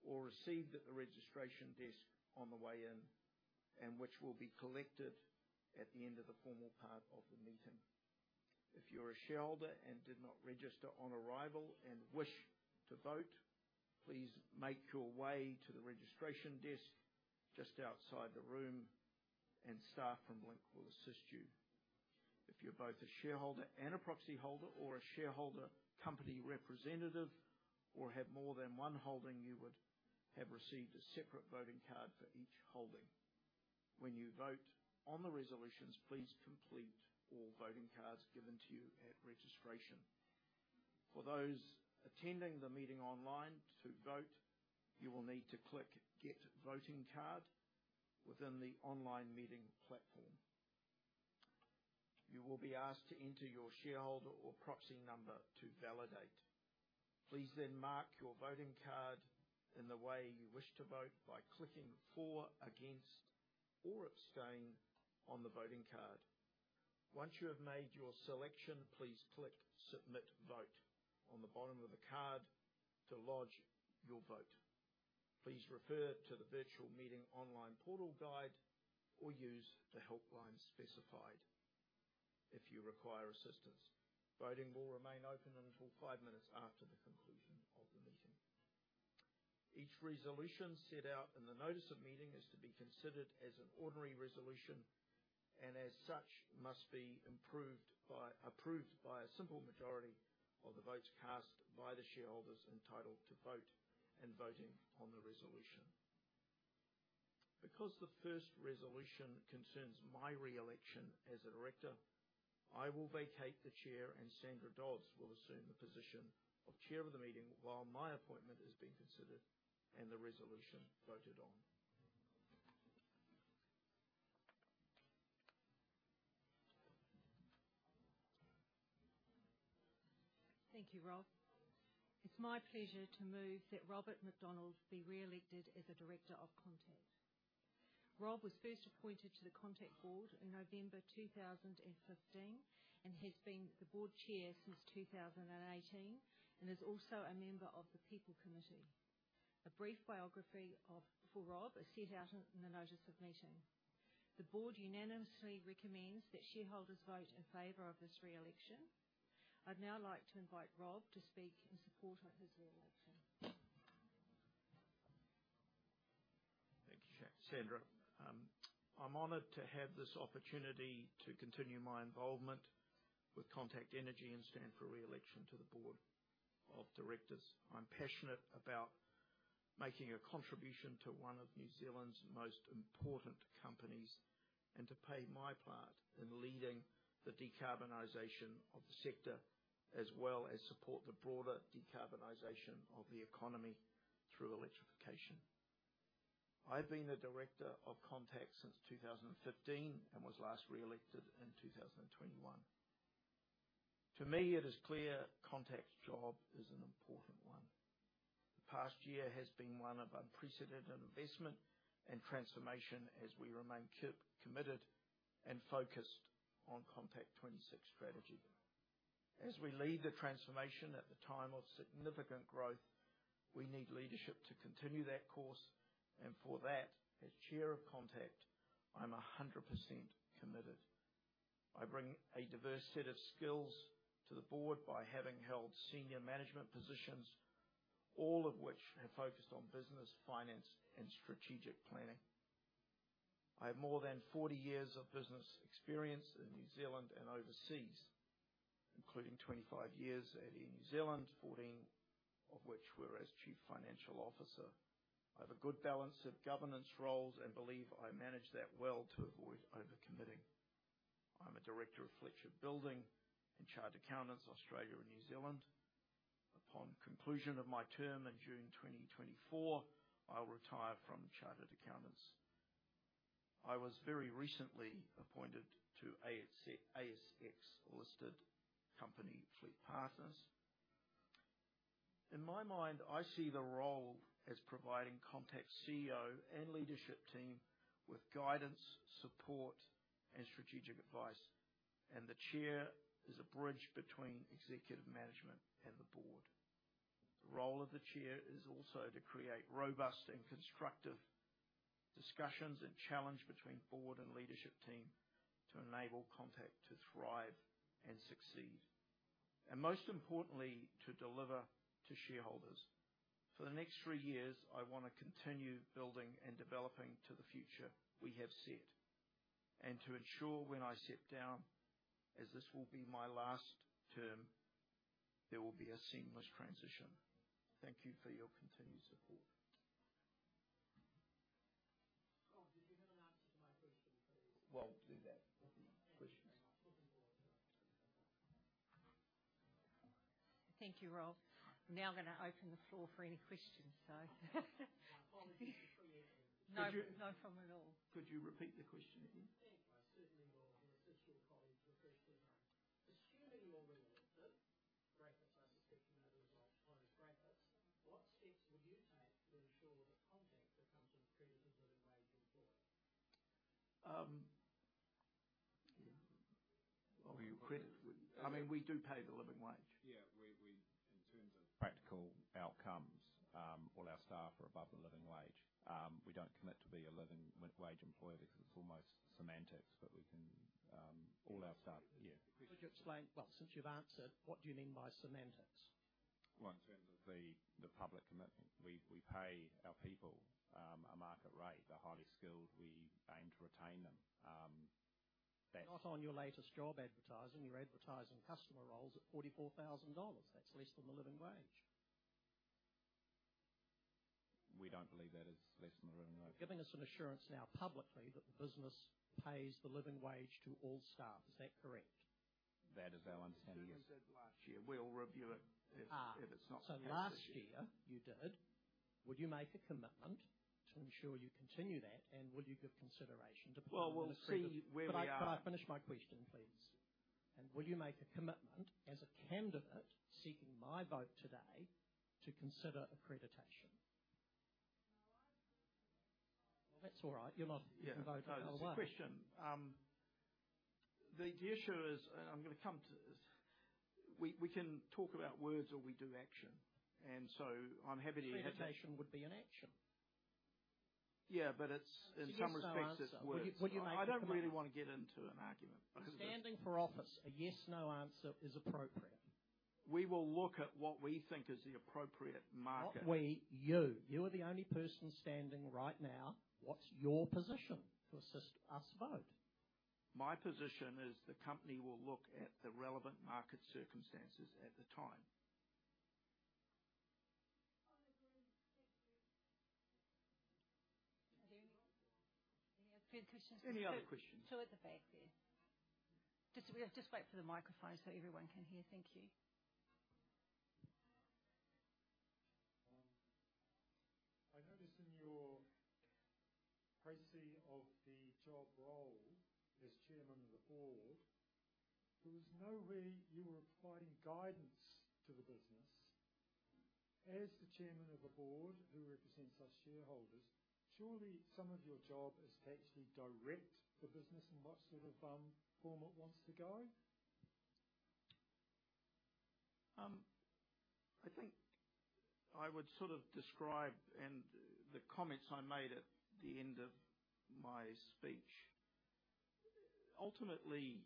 or received at the registration desk on the way in, and which will be collected at the end of the formal part of the meeting. If you're a shareholder and did not register on arrival and wish to vote, please make your way to the registration desk just outside the room and staff from Link will assist you. If you're both a shareholder and a proxyholder or a shareholder company representative or have more than one holding, you would have received a separate voting card for each holding. When you vote on the resolutions, please complete all voting cards given to you at registration. For those attending the meeting online, to vote, you will need to click "Get Voting Card" within the online meeting platform. You will be asked to enter your shareholder or proxy number to validate. Please then mark your voting card in the way you wish to vote by clicking For, Against, or Abstain on the voting card. Once you have made your selection, please click Submit Vote on the bottom of the card to lodge your vote. Please refer to the virtual meeting online portal guide, or use the helpline specified if you require assistance. Voting will remain open until five minutes after the conclusion of the meeting. Each resolution set out in the Notice of Meeting is to be considered as an ordinary resolution and as such, must be approved by a simple majority of the votes cast by the shareholders entitled to vote and voting on the resolution. Because the first resolution concerns my re-election as a director, I will vacate the chair, and Sandra Dodds will assume the position of chair of the meeting while my appointment is being considered and the resolution voted on. Thank you, Rob. It's my pleasure to move that Robert McDonald be re-elected as a director of Contact. Rob was first appointed to the Contact board in November 2015 and has been the board chair since 2018, and is also a member of the People Committee. A brief biography of Rob is set out in the notice of meeting.... The board unanimously recommends that shareholders vote in favor of this reelection. I'd now like to invite Rob to speak in support of his reelection. Thank you, Sandra. I'm honored to have this opportunity to continue my involvement with Contact Energy and stand for reelection to the board of directors. I'm passionate about making a contribution to one of New Zealand's most important companies, and to play my part in leading the decarbonization of the sector, as well as support the broader decarbonization of the economy through electrification. I've been a director of Contact since 2015 and was last reelected in 2021. To me, it is clear Contact's job is an important one. The past year has been one of unprecedented investment and transformation as we remain committed and focused on Contact 26 strategy. As we lead the transformation at the time of significant growth, we need leadership to continue that course, and for that, as chair of Contact, I'm 100% committed. I bring a diverse set of skills to the board by having held senior management positions, all of which have focused on business, finance, and strategic planning. I have more than 40 years of business experience in New Zealand and overseas, including 25 years at Air New Zealand, 14 of which were as Chief Financial Officer. I have a good balance of governance roles and believe I manage that well to avoid overcommitting. I'm a director of Fletcher Building and Chartered Accountants Australia and New Zealand. Upon conclusion of my term in June 2024, I'll retire from Chartered Accountants. I was very recently appointed to ASX-listed company, FleetPartners. In my mind, I see the role as providing Contact's CEO and leadership team with guidance, support, and strategic advice, and the chair is a bridge between executive management and the board. The role of the chair is also to create robust and constructive discussions and challenge between board and leadership team to enable Contact to thrive and succeed, and most importantly, to deliver to shareholders. For the next three years, I want to continue building and developing to the future we have set, and to ensure when I step down, as this will be my last term, there will be a seamless transition. Thank you for your continued support. Rob, did you have an answer to my question, please? Well, do that. Questions. Thank you very much. Looking forward to it. Thank you, Rob. Now I'm going to open the floor for any questions. So Apologies from the afternoon. No, no problem at all. Could you repeat the question again? Yeah, I certainly will, and assist your colleagues with the question. Assuming you're reelected, I suspect that the results are close, what steps will you take to ensure that Contact becomes an accredited living wage employer? Well, I mean, we do pay the living wage. Yeah. In terms of practical outcomes, all our staff are above the living wage. We don't commit to be a living wage employer because it's almost semantics, but we can, all our staff... Yeah. Could you explain? Well, since you've answered, what do you mean by semantics? Well, in terms of the public commitment, we pay our people a market rate. They're highly skilled. We aim to retain them. That's- Not on your latest job advertising. You're advertising customer roles at 44,000 dollars. That's less than the living wage. We don't believe that is less than the living wage. Giving us an assurance now, publicly, that the business pays the living wage to all staff. Is that correct? That is our understanding, yes. We said last year, we'll review it if it's not- So last year you did. Would you make a commitment to ensure you continue that, and will you give consideration to- Well, we'll see where we are. Could I, could I finish my question, please? And will you make a commitment as a candidate seeking my vote today to consider accreditation? That's all right. You're not going to vote either way. It's a question. The issue is, and I'm going to come to this, we can talk about words, or we do action, and so I'm happy to- Accreditation would be an action. Yeah, but it's in some respects- Yes or no answer. It's words. Would you make a commitment? I don't really want to get into an argument because- Standing for office, a yes, no answer is appropriate. We will look at what we think is the appropriate market. Not we, you. You are the only person standing right now. What's your position to assist us vote? My position is the company will look at the relevant market circumstances at the time. Oh, agreed. Thank you. Do you have any other questions? Any other questions? Two at the back there. Just, just wait for the microphone so everyone can hear. Thank you. I noticed in your précis of the job role as chairman of the board, there was nowhere you were providing guidance to the business. As the chairman of the board, who represents us shareholders, surely some of your job is to actually direct the business in what sort of form it wants to go?... I would sort of describe and the comments I made at the end of my speech. Ultimately,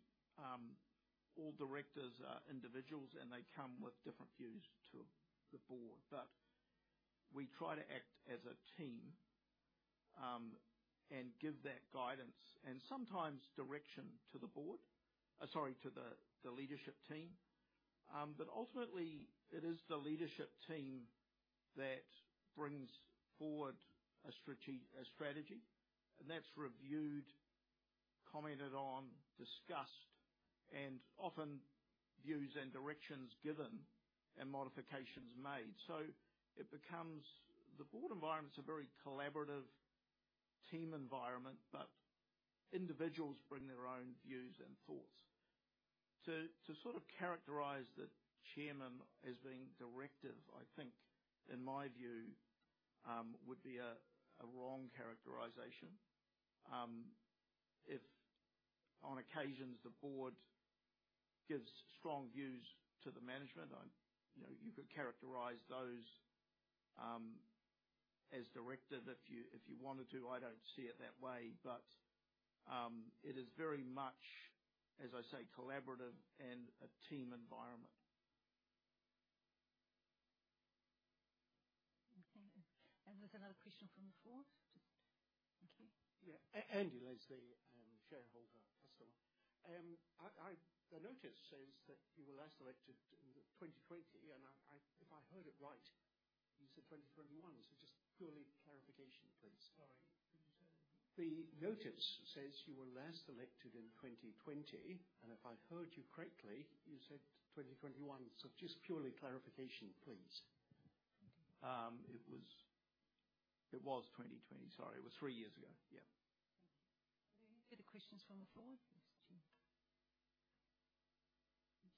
all directors are individuals, and they come with different views to the board. But we try to act as a team, and give that guidance and sometimes direction to the leadership team. But ultimately it is the leadership team that brings forward a strategy, and that's reviewed, commented on, discussed, and often views and directions given and modifications made. So it becomes... The board environment is a very collaborative team environment, but individuals bring their own views and thoughts. To sort of characterize the chairman as being directive, I think, in my view, would be a wrong characterization. If on occasions the board gives strong views to the management, I, you know, you could characterize those as directive if you, if you wanted to. I don't see it that way, but it is very much, as I say, collaborative and a team environment. Okay, and there's another question from the floor. Just... Thank you. Yeah. Andy Leslie, shareholder as well. The notice says that you were last elected in 2020, and if I heard it right, you said 2021. So just purely clarification, please. Sorry, could you say it again? The notice says you were last elected in 2020, and if I heard you correctly, you said 2021. So just purely clarification, please. It was 2020. Sorry, it was three years ago. Yeah. Are there any further questions from the floor? Yes, two.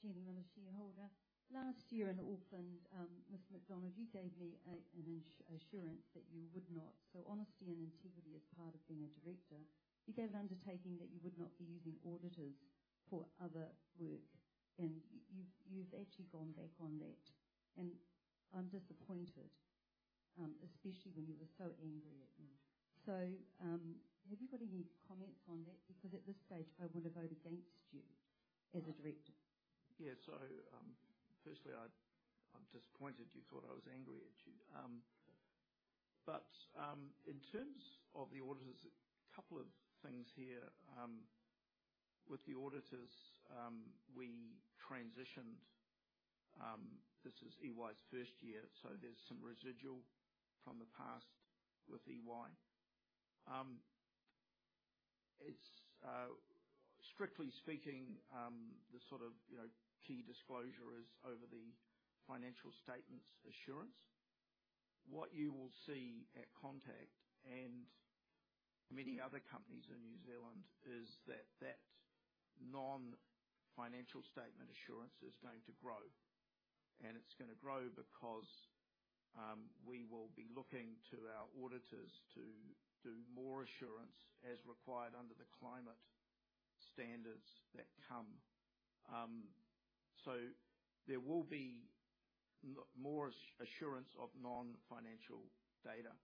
Gentleman shareholder. Last year in Auckland, Mr. McDonald, you gave me an assurance that you would not... So honesty and integrity as part of being a director, you gave an undertaking that you would not be using auditors for other work, and you've actually gone back on that. And I'm disappointed, especially when you were so angry at me. So, have you got any comments on that? Because at this stage, I want to vote against you as a director. Yeah. So, firstly, I'm disappointed you thought I was angry at you. But, in terms of the auditors, a couple of things here. With the auditors, we transitioned, this is EY's first year, so there's some residual from the past with EY. It's, strictly speaking, the sort of, you know, key disclosure is over the financial statements assurance. What you will see at Contact and many other companies in New Zealand is that, that non-financial statement assurance is going to grow, and it's gonna grow because, we will be looking to our auditors to do more assurance, as required under the climate standards that come. So there will be more assurance of non-financial data.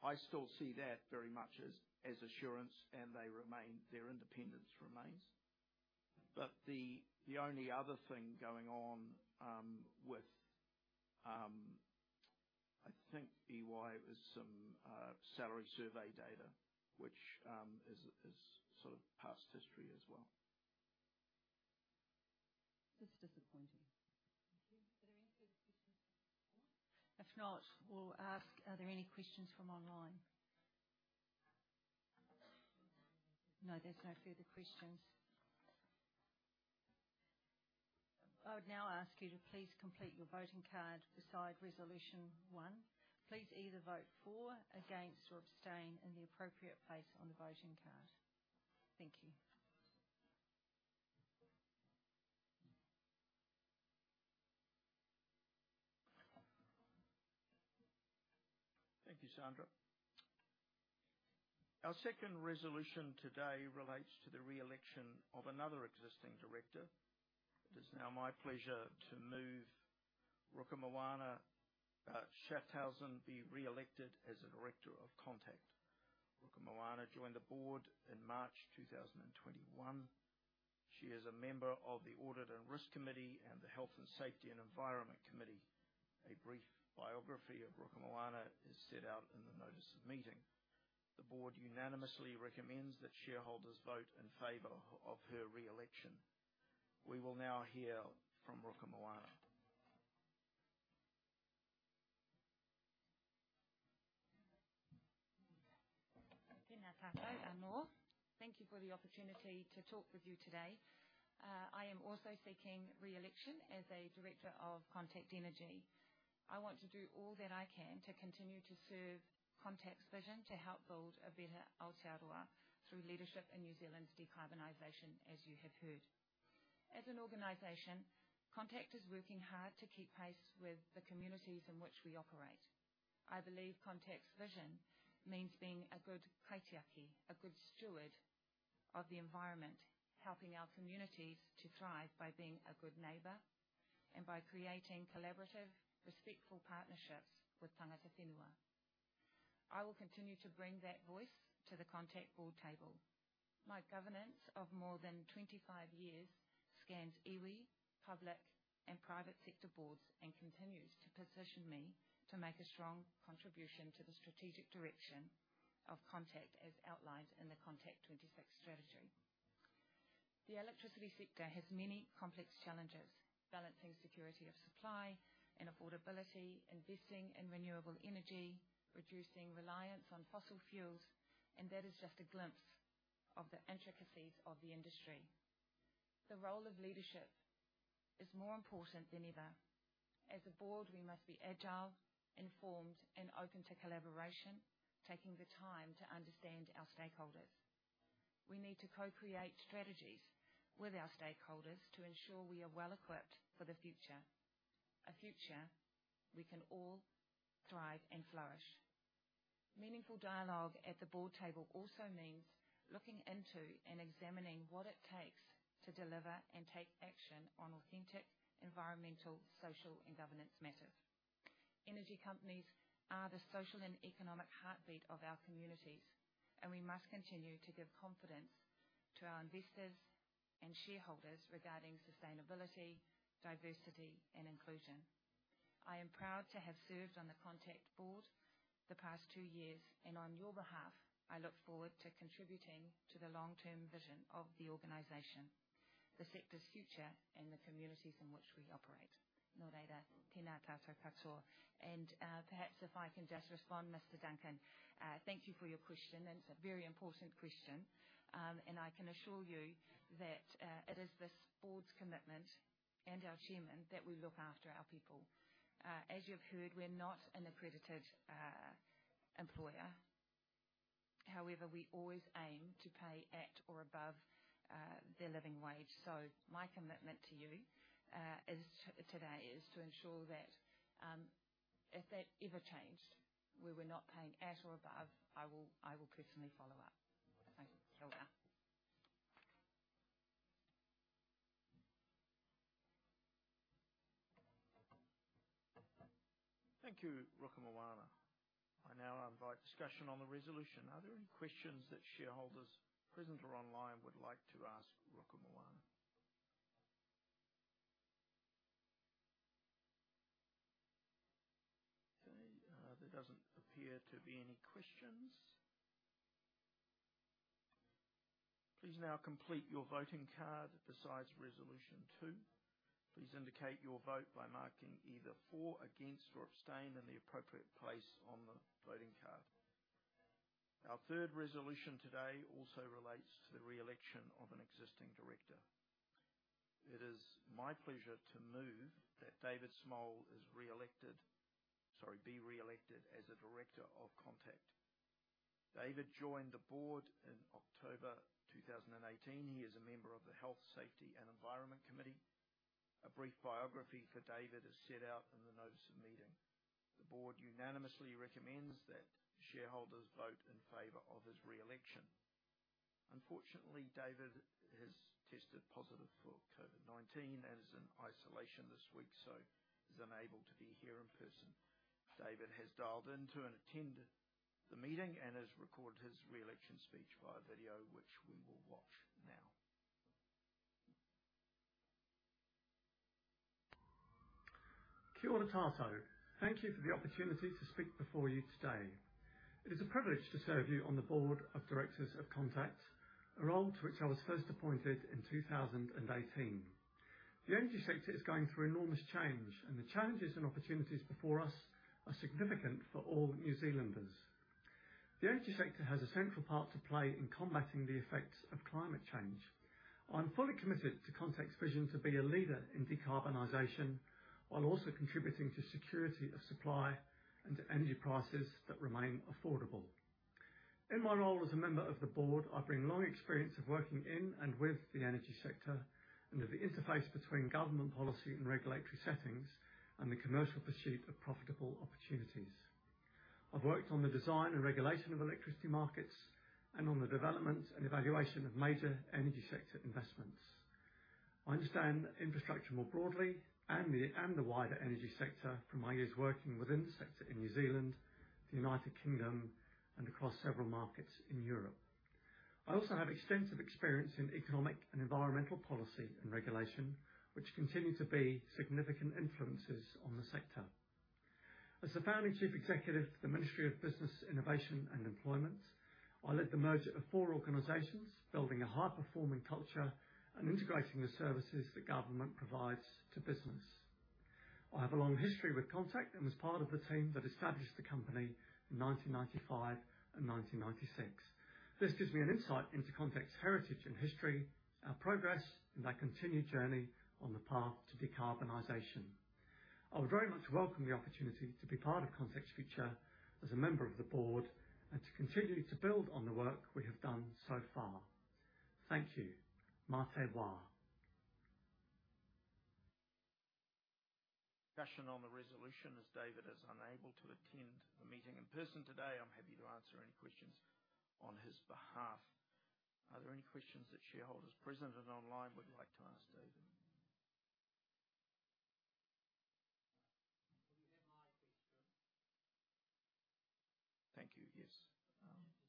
I still see that very much as, as assurance, and they remain, their independence remains. The only other thing going on with, I think, EY was some salary survey data, which is sort of past history as well. It's disappointing. Are there any further questions? If not, we'll ask, are there any questions from online? No, there's no further questions. I would now ask you to please complete your voting card beside Resolution 1. Please either vote for, against, or abstain in the appropriate place on the voting card. Thank you. Thank you, Sandra. Our second resolution today relates to the re-election of another existing director. It is now my pleasure to move Rukumoana Schaafhausen be re-elected as a director of Contact. Rukumoana joined the board in March 2021. She is a member of the Audit and Risk Committee and the Health and Safety and Environment Committee. A brief biography of Rukumoana is set out in the notice of meeting. The board unanimously recommends that shareholders vote in favor of her re-election. We will now hear from Rukumoana. Thank you for the opportunity to talk with you today. I am also seeking re-election as a director of Contact Energy. I want to do all that I can to continue to serve Contact's vision, to help build a better Aotearoa through leadership in New Zealand's decarbonization, as you have heard. As an organization, Contact is working hard to keep pace with the communities in which we operate. I believe Contact's vision means being a good kaitiaki, a good steward.... of the environment, helping our communities to thrive by being a good neighbor and by creating collaborative, respectful partnerships with Tangata Whenua. I will continue to bring that voice to the Contact board table. My governance of more than 25 years spans iwi, public, and private sector boards, and continues to position me to make a strong contribution to the strategic direction of Contact, as outlined in the Contact 26 strategy. The electricity sector has many complex challenges: balancing security of supply and affordability, investing in renewable energy, reducing reliance on fossil fuels, and that is just a glimpse of the intricacies of the industry. The role of leadership is more important than ever. As a board, we must be agile, informed, and open to collaboration, taking the time to understand our stakeholders. We need to co-create strategies with our stakeholders to ensure we are well-equipped for the future, a future we can all thrive and flourish. Meaningful dialogue at the board table also means looking into and examining what it takes to deliver and take action on authentic environmental, social, and governance matters. Energy companies are the social and economic heartbeat of our communities, and we must continue to give confidence to our investors and shareholders regarding sustainability, diversity, and inclusion. I am proud to have served on the Contact board the past two years, and on your behalf, I look forward to contributing to the long-term vision of the organization, the sector's future, and the communities in which we operate. And, perhaps if I can just respond, Mr. Duncan, thank you for your question, and it's a very important question. And I can assure you that it is this board's commitment, and our chairman, that we look after our people. As you've heard, we're not an accredited employer. However, we always aim to pay at or above the living wage. So my commitment to you is, today, to ensure that if that ever changed, where we're not paying at or above, I will, I will personally follow up. Thank you. Kia ora. Thank you, Rukumoana. I now invite discussion on the resolution. Are there any questions that shareholders, present or online, would like to ask Rukumoana? Okay, there doesn't appear to be any questions. Please now complete your voting card besides Resolution Two. Please indicate your vote by marking either for, against, or abstain, in the appropriate place on the voting card. Our third resolution today also relates to the re-election of an existing director. It is my pleasure to move that David Small be re-elected as a director of Contact. David joined the board in October 2018. He is a member of the Health, Safety, and Environment Committee. A brief biography for David is set out in the notice of meeting. The board unanimously recommends that shareholders vote in favor of his re-election. Unfortunately, David has tested positive for COVID-19 and is in isolation this week, so he's unable to be here in person. David has dialed in to attend the meeting and has recorded his re-election speech via video, which we will watch now. Kia ora katoa. Thank you for the opportunity to speak before you today. It is a privilege to serve you on the board of directors of Contact, a role to which I was first appointed in 2018. The energy sector is going through enormous change, and the challenges and opportunities before us are significant for all New Zealanders. The energy sector has a central part to play in combating the effects of climate change. I'm fully committed to Contact's vision to be a leader in decarbonization, while also contributing to security of supply and energy prices that remain affordable. In my role as a member of the board, I bring long experience of working in and with the energy sector, and of the interface between government policy and regulatory settings, and the commercial pursuit of profitable opportunities. I've worked on the design and regulation of electricity markets and on the development and evaluation of major energy sector investments. I understand infrastructure more broadly and the wider energy sector from my years working within the sector in New Zealand, the United Kingdom, and across several markets in Europe. I also have extensive experience in economic and environmental policy and regulation, which continue to be significant influences on the sector. As the founding chief executive for the Ministry of Business, Innovation and Employment, I led the merger of four organizations, building a high-performing culture and integrating the services the government provides to business. I have a long history with Contact and was part of the team that established the company in 1995 and 1996. This gives me an insight into Contact's heritage and history, our progress, and our continued journey on the path to decarbonization. I would very much welcome the opportunity to be part of Contact's future as a member of the board and to continue to build on the work we have done so far. Thank you. Ma te wa.... Discussion on the resolution, as David is unable to attend the meeting in person today, I'm happy to answer any questions on his behalf. Are there any questions that shareholders present and online would like to ask David? Can we have my question? Thank you. Yes. Does David have a report?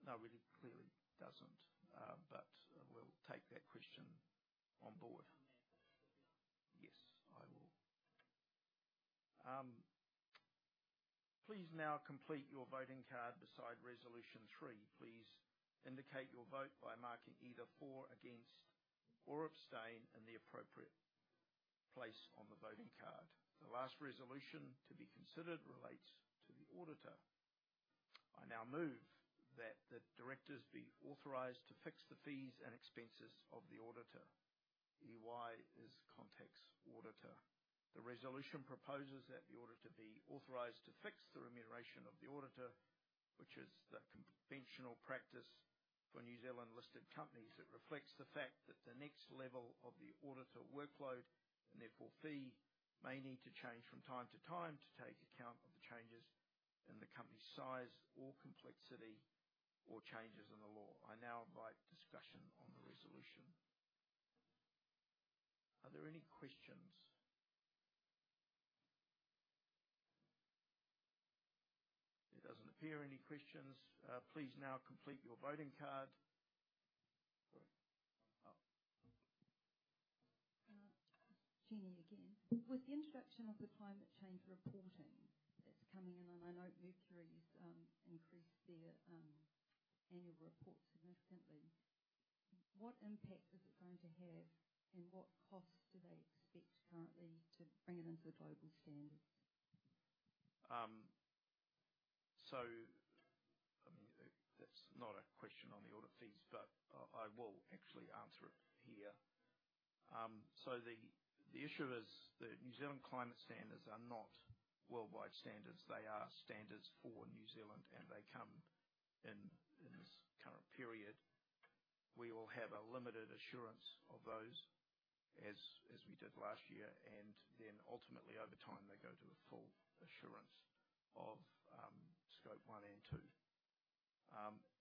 No, he clearly doesn't, but we'll take that question on board. Yes, I will. Please now complete your voting card beside resolution three. Please indicate your vote by marking either for, against, or abstain in the appropriate place on the voting card. The last resolution to be considered relates to the auditor. I now move that the directors be authorized to fix the fees and expenses of the auditor. EY is Contact's auditor. The resolution proposes that the auditor be authorized to fix the remuneration of the auditor, which is the conventional practice for New Zealand-listed companies. It reflects the fact that the next level of the auditor workload, and therefore fee, may need to change from time to time to take account of the changes in the company's size or complexity, or changes in the law. I now invite discussion on the resolution. Are there any questions? There doesn't appear any questions. Please now complete your voting card. Sorry. Jenny again. With the introduction of the climate change reporting that's coming in, and I know Mercury's increased their annual report significantly. What impact is it going to have, and what costs do they expect currently to bring it into the global standard? So I mean, that's not a question on the audit fees, but I, I will actually answer it here. So the, the issue is that New Zealand climate standards are not worldwide standards. They are standards for New Zealand, and they come in, in this current period. We will have a limited assurance of those as, as we did last year, and then ultimately, over time, they go to a full assurance of, Scope one and two.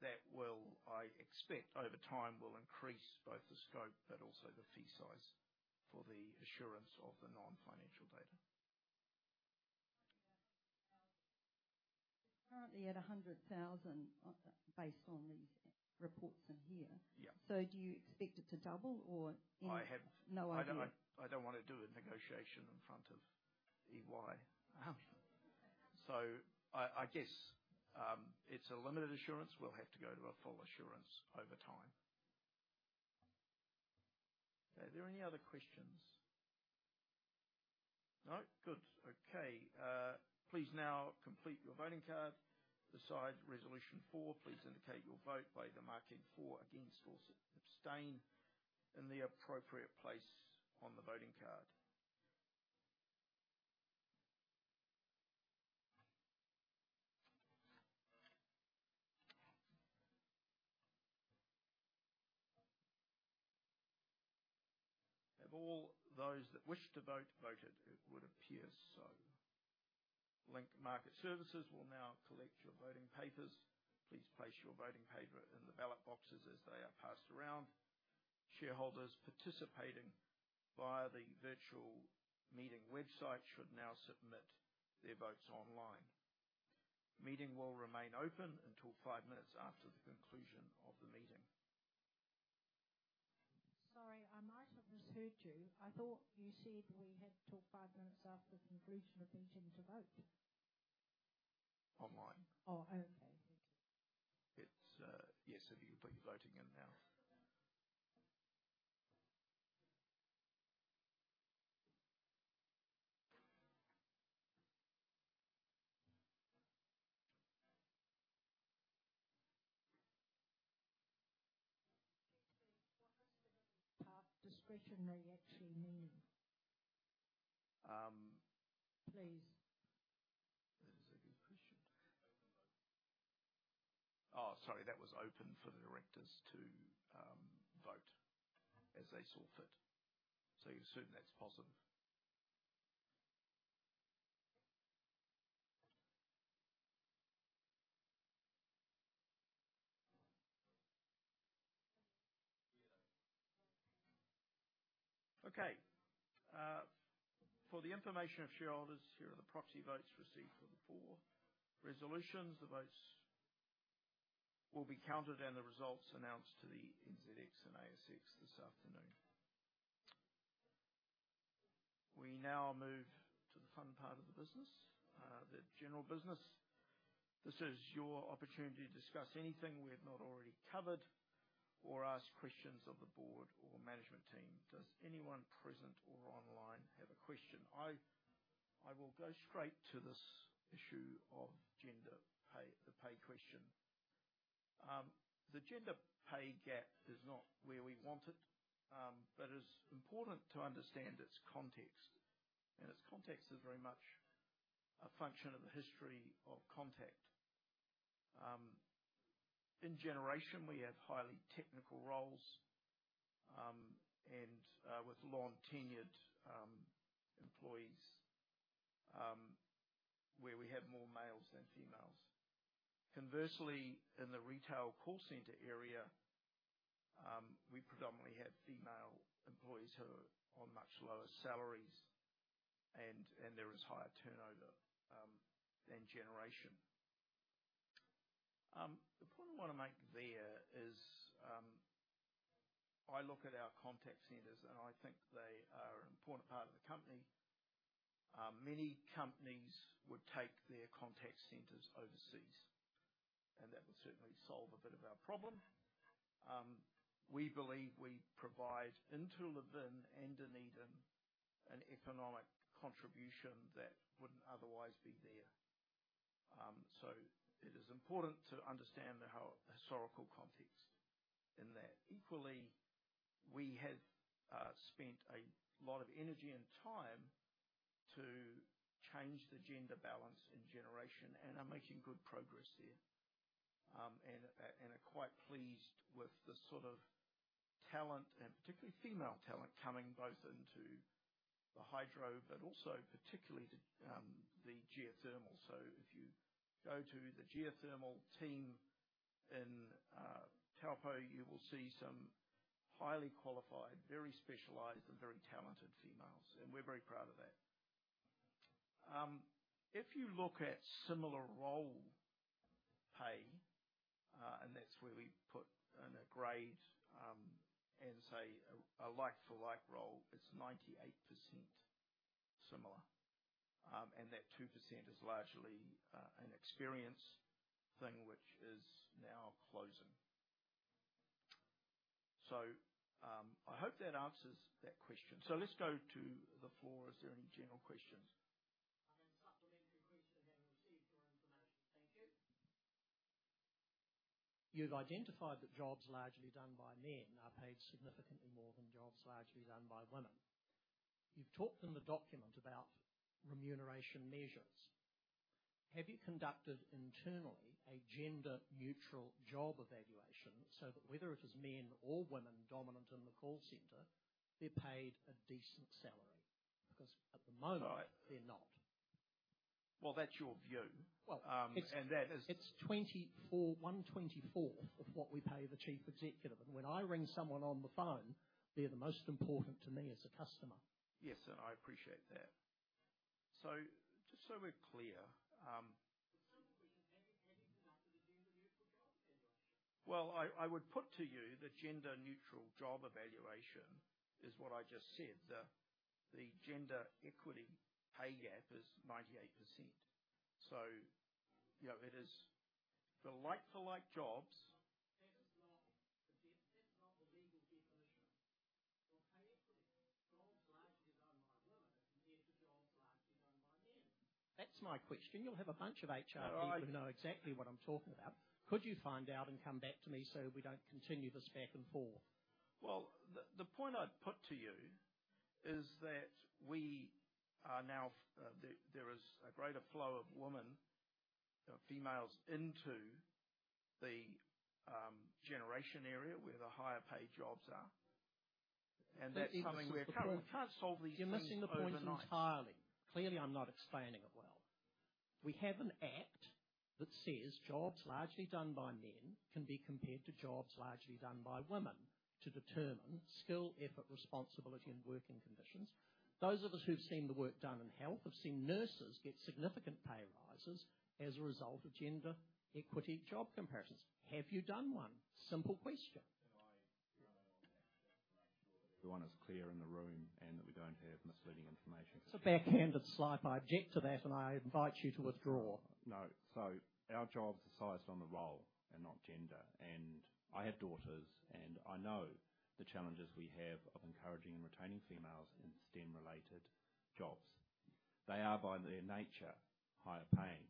That will, I expect, over time, will increase both the scope but also the fee size for the assurance of the non-financial data. Currently at 100,000, based on these reports in here. Yeah. So do you expect it to double or? I have- No idea. I don't want to do a negotiation in front of EY. I guess it's a limited assurance. We'll have to go to a full assurance over time. Are there any other questions? No? Good. Okay, please now complete your voting card. Besides resolution 4, please indicate your vote by either marking for, against, or abstain in the appropriate place on the voting card. Have all those that wished to vote, voted? It would appear so. Link Market Services will now collect your voting papers. Please place your voting paper in the ballot boxes as they are passed around. Shareholders participating via the virtual meeting website should now submit their votes online. The meeting will remain open until 5 minutes after the conclusion of the meeting. Sorry, I might have misheard you. I thought you said we had till five minutes after the conclusion of the meeting to vote. Online. Oh, okay. Thank you. It's yes, so you put your voting in now. Discretion, what do you actually mean? Um- Please. That is a good question. Open vote. Oh, sorry. That was open for the directors to vote as they saw fit. So you can assume that's positive. Okay. For the information of shareholders, here are the proxy votes received for the four resolutions. The votes will be counted, and the results announced to the NZX and ASX this afternoon. We now move to the fun part of the business, the general business. This is your opportunity to discuss anything we have not already covered or ask questions of the board or management team. Does anyone present or online have a question? I will go straight to this issue of gender pay, the pay question. The gender pay gap is not where we want it, but it's important to understand its context. And its context is very much a function of the history of Contact.... In generation, we have highly technical roles and with long-tenured employees, where we have more males than females. Conversely, in the retail call center area, we predominantly have female employees who are on much lower salaries and, and there is higher turnover than generation. The point I want to make there is, I look at our contact centers, and I think they are an important part of the company. Many companies would take their contact centers overseas, and that would certainly solve a bit of our problem. We believe we provide into Levin and Dunedin an economic contribution that wouldn't otherwise be there. So it is important to understand the historical context in that. Equally, we have spent a lot of energy and time to change the gender balance in generation and are making good progress there. And are quite pleased with the sort of talent, and particularly female talent, coming both into the hydro, but also particularly to the geothermal. So if you go to the geothermal team in Taupō, you will see some highly qualified, very specialized, and very talented females, and we're very proud of that. If you look at similar role pay, and that's where we put in a grade, and say a like for like role, it's 98% similar. And that 2% is largely an experience thing which is now closing. So I hope that answers that question. So let's go to the floor. Is there any general questions? I have a supplementary question, having received your information. Thank you. You've identified that jobs largely done by men are paid significantly more than jobs largely done by women. You've talked in the document about remuneration measures. Have you conducted internally a gender neutral job evaluation so that whether it is men or women dominant in the call center, they're paid a decent salary? Because at the moment- Right. -they're not. Well, that's your view. Well- and that is- It's 24, 1/24 of what we pay the Chief Executive. When I ring someone on the phone, they're the most important to me as a customer. Yes, and I appreciate that. So just so we're clear, The simple question, have you conducted a gender neutral job evaluation? Well, I would put to you the gender neutral job evaluation is what I just said. The gender equity pay gap is 98%. So, you know, it is for like for like jobs. That is not the legal definition for pay equity. Jobs largely done by women compared to jobs largely done by men. That's my question. You'll have a bunch of HR people- All right. who know exactly what I'm talking about. Could you find out and come back to me so we don't continue this back and forth? Well, the point I'd put to you is that we are now there is a greater flow of women, of females into the generation area where the higher paid jobs are. And that's something we are current- It is. We can't solve these things overnight. You're missing the point entirely. Clearly, I'm not explaining it well. We have an act that says jobs largely done by men can be compared to jobs largely done by women to determine skill, effort, responsibility, and working conditions. Those of us who've seen the work done in health, have seen nurses get significant pay rises as a result of gender equity job comparisons. Have you done one? Simple question. Everyone is clear in the room and that we don't have misleading information. It's a backhanded slight. I object to that, and I invite you to withdraw. No. So our jobs are sized on the role and not gender. And I have daughters, and I know the challenges we have of encouraging and retaining females in STEM-related jobs. They are, by their nature, higher paying.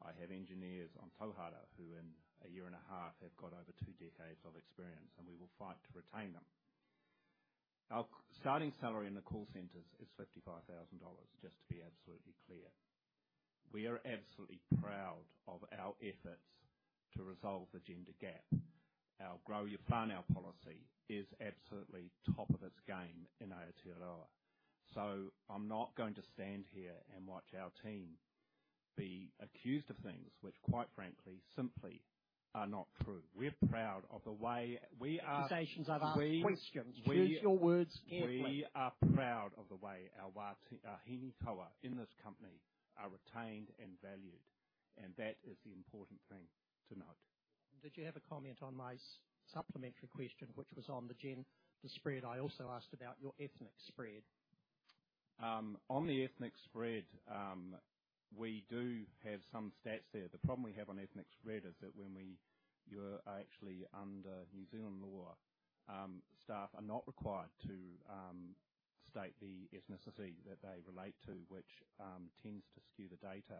I have engineers on Tauhara, who in a year and a half have got over two decades of experience, and we will fight to retain them. Our starting salary in the call centers is 55,000 dollars, just to be absolutely clear. We are absolutely proud of our efforts to resolve the gender gap. Our Grow Your Whānau policy is absolutely top of its game in Aotearoa. So I'm not going to stand here and watch our team be accused of things which, quite frankly, simply are not true. We're proud of the way we are-... Accusations? I've asked questions. We- Choose your words carefully. We are proud of the way our whānau in this company are retained and valued, and that is the important thing to note. Did you have a comment on my supplementary question, which was on the gen, the spread? I also asked about your ethnic spread. On the ethnic spread, we do have some stats there. The problem we have on ethnic spread is that you’re actually under New Zealand law, staff are not required to state the ethnicity that they relate to, which tends to skew the data.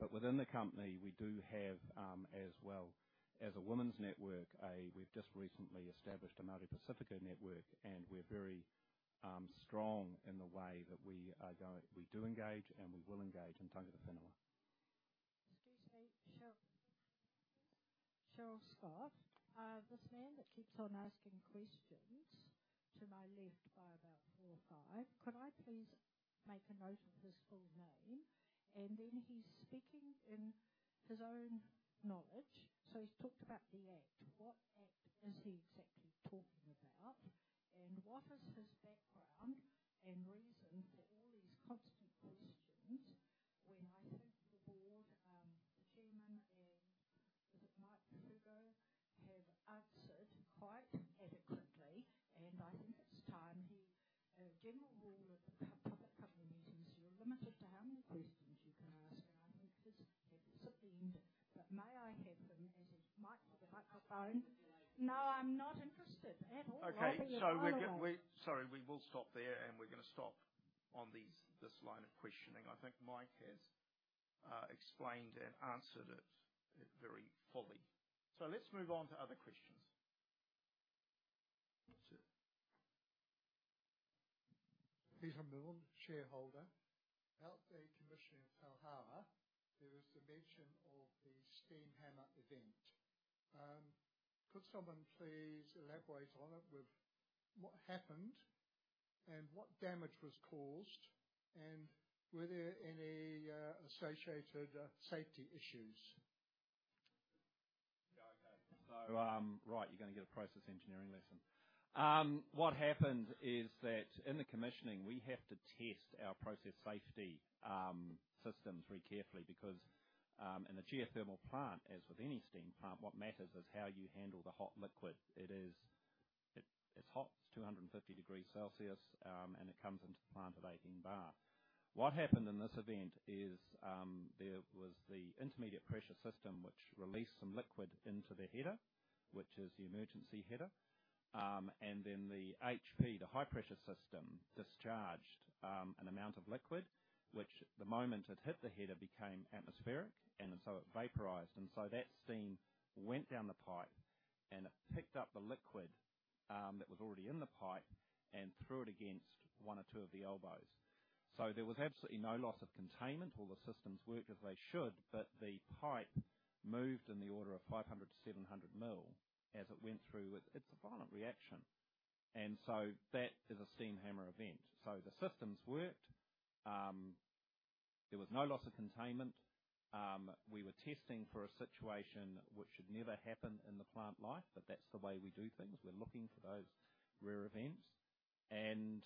But within the company, we do have, as well-... As a women's network, we've just recently established a Māori Pasifika network, and we're very strong in the way that we are going. We do engage, and we will engage in tangata whenua. Excuse me, Cheryl, Cheryl Scott. This man that keeps on asking questions to my left by about 4 or 5, could I please make a note of his full name? And then he's speaking in his own knowledge, so he's talked about the Act. What act is he exactly talking about? And what is his background and reason for all these constant questions when I think the board chairman and, is it Mike Fuge, have answered quite adequately, and I think it's time he... A general rule at public company meetings, you're limited to how many questions you can ask, and I think this has simply ended. But may I have him as his mic, microphone? No, I'm not interested at all. Okay. So we're sorry, we will stop there, and we're going to stop on this line of questioning. I think Mike has explained and answered it very fully. So let's move on to other questions. Sir. About the commissioning of Tauhara, there was the mention of the steam hammer event. Could someone please elaborate on it with what happened and what damage was caused, and were there any associated safety issues? Yeah. Okay. So, right, you're going to get a process engineering lesson. What happened is that in the commissioning, we have to test our process safety systems very carefully, because, in a geothermal plant, as with any steam plant, what matters is how you handle the hot liquid. It is, it's hot, it's 250 degrees Celsius, and it comes into the plant at 18 bar. What happened in this event is, there was the intermediate pressure system, which released some liquid into the header, which is the emergency header. And then the HP, the high-pressure system, discharged an amount of liquid, which the moment it hit the header, became atmospheric, and so it vaporized. So that steam went down the pipe, and it picked up the liquid that was already in the pipe and threw it against one or two of the elbows. So there was absolutely no loss of containment. All the systems worked as they should, but the pipe moved in the order of 500-700 mm as it went through it. It's a violent reaction. And so that is a steam hammer event. So the systems worked. There was no loss of containment. We were testing for a situation which should never happen in the plant life, but that's the way we do things. We're looking for those rare events. And,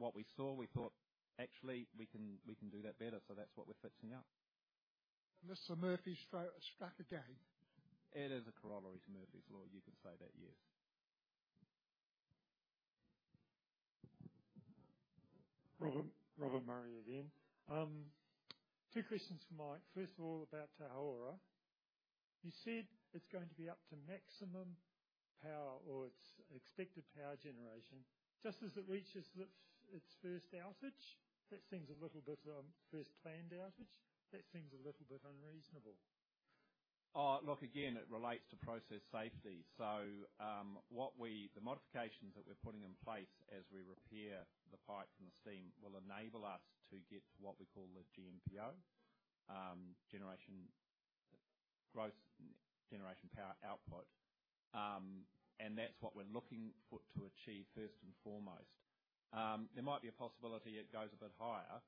what we saw, we thought, "Actually, we can, we can do that better." So that's what we're fixing up. Mr. Murphy strike, struck again. It is a corollary to Murphy's Law. You can say that, yes. Robert, Robert Murray again. Two questions for Mike. First of all, about Tauhara. You said it's going to be up to maximum power or its expected power generation, just as it reaches its first outage? That seems a little bit first planned outage. That seems a little bit unreasonable. Look, again, it relates to process safety. So, what we... The modifications that we're putting in place as we repair the pipe and the steam, will enable us to get to what we call the GNPO, generation, gross generation power output. And that's what we're looking for, to achieve first and foremost. There might be a possibility it goes a bit higher,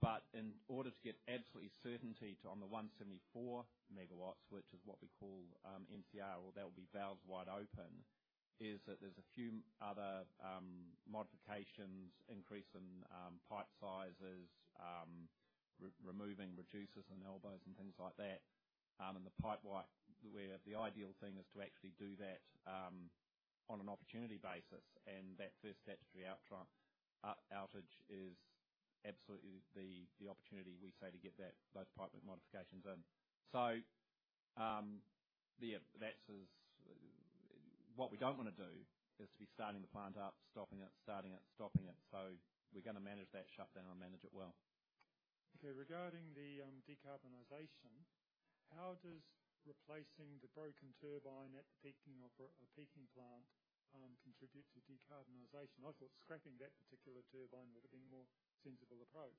but in order to get absolutely certainty to on the 174 megawatts, which is what we call, MCR, or that will be valves wide open, is that there's a few other modifications, increase in pipe sizes, removing reducers and elbows and things like that. And the pipe work, where the ideal thing is to actually do that on an opportunity basis, and that first statutory outage is absolutely the opportunity we say to get those pipework modifications in. So, yeah, that is... What we don't want to do is to be starting the plant up, stopping it, starting it, stopping it. So we're going to manage that shutdown and manage it well. Okay, regarding the decarbonization, how does replacing the broken turbine at the peaking of a peaking plant contribute to decarbonization? I thought scrapping that particular turbine would have been a more sensible approach.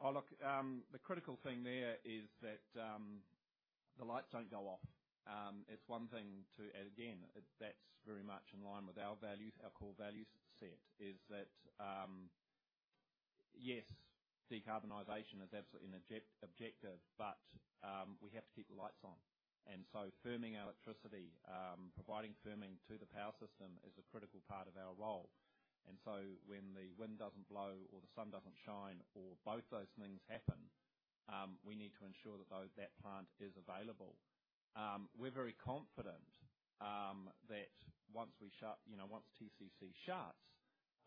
Oh, look, the critical thing there is that the lights don't go off. It's one thing. And again, that's very much in line with our values. Our core value set is that yes, decarbonization is absolutely an objective, but we have to keep the lights on. And so firming our electricity, providing firming to the power system is a critical part of our role. And so when the wind doesn't blow or the sun doesn't shine or both those things happen, we need to ensure that that plant is available. We're very confident, that once we shut, you know, once TCC shuts,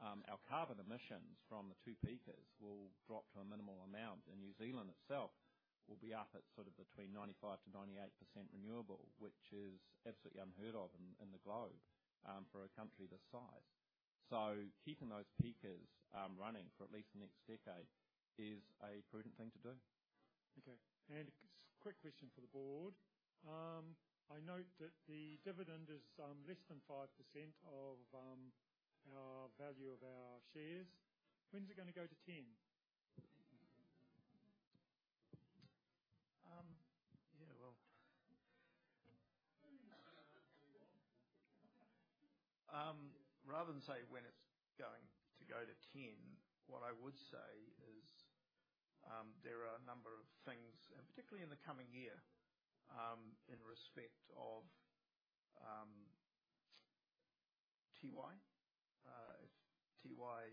our carbon emissions from the two peakers will drop to a minimal amount, and New Zealand itself will be up at sort of between 95%-98% renewable, which is absolutely unheard of in, in the globe, for a country this size. So keeping those peakers, running for at least the next decade is a prudent thing to do. Okay. Quick question for the board. I note that the dividend is less than 5% of our value of our shares. When is it gonna go to 10%? Yeah, well. Rather than say when it's going to go to 10, what I would say is, there are a number of things, and particularly in the coming year, in respect of, Tiwai. If Tiwai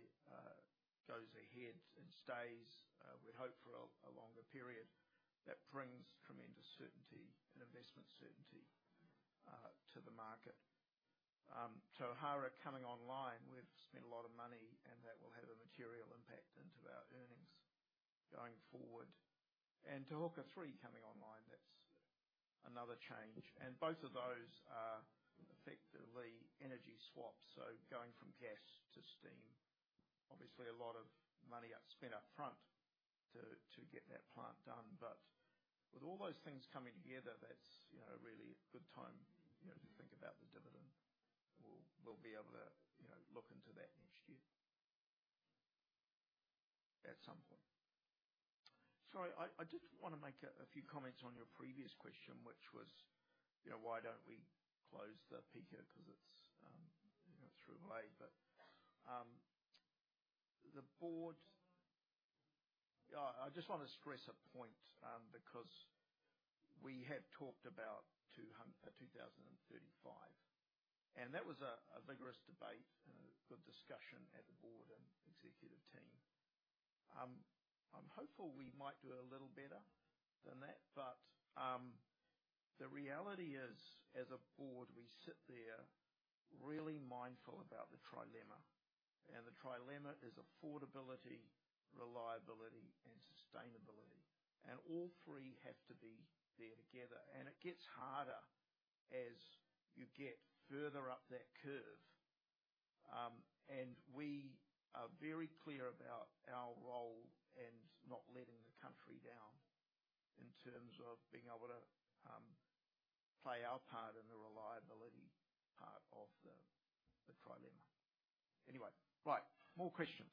goes ahead and stays, we'd hope for a longer period, that brings tremendous certainty and investment certainty to the market. So Tauhara coming online, we've spent a lot of money, and that will have a material impact into our earnings going forward. And Te Huka 3 coming online, that's another change. And both of those are effectively energy swaps, so going from gas to steam. Obviously, a lot of money spent up front to get that plant done, but with all those things coming together, that's, you know, a really good time, you know, to think about the dividend. We'll be able to, you know, look into that next year at some point. Sorry, I did wanna make a few comments on your previous question, which was, you know, why don't we close the peaker? 'Cause it's, you know, through lay, but the board. I just want to stress a point, because we have talked about 2035, and that was a vigorous debate and a good discussion at the board and executive team. I'm hopeful we might do a little better than that, but the reality is, as a board, we sit there really mindful about the trilemma, and the trilemma is affordability, reliability, and sustainability. And all three have to be there together, and it gets harder as you get further up that curve. We are very clear about our role and not letting the country down in terms of being able to play our part in the reliability part of the trilemma. Anyway, right. More questions.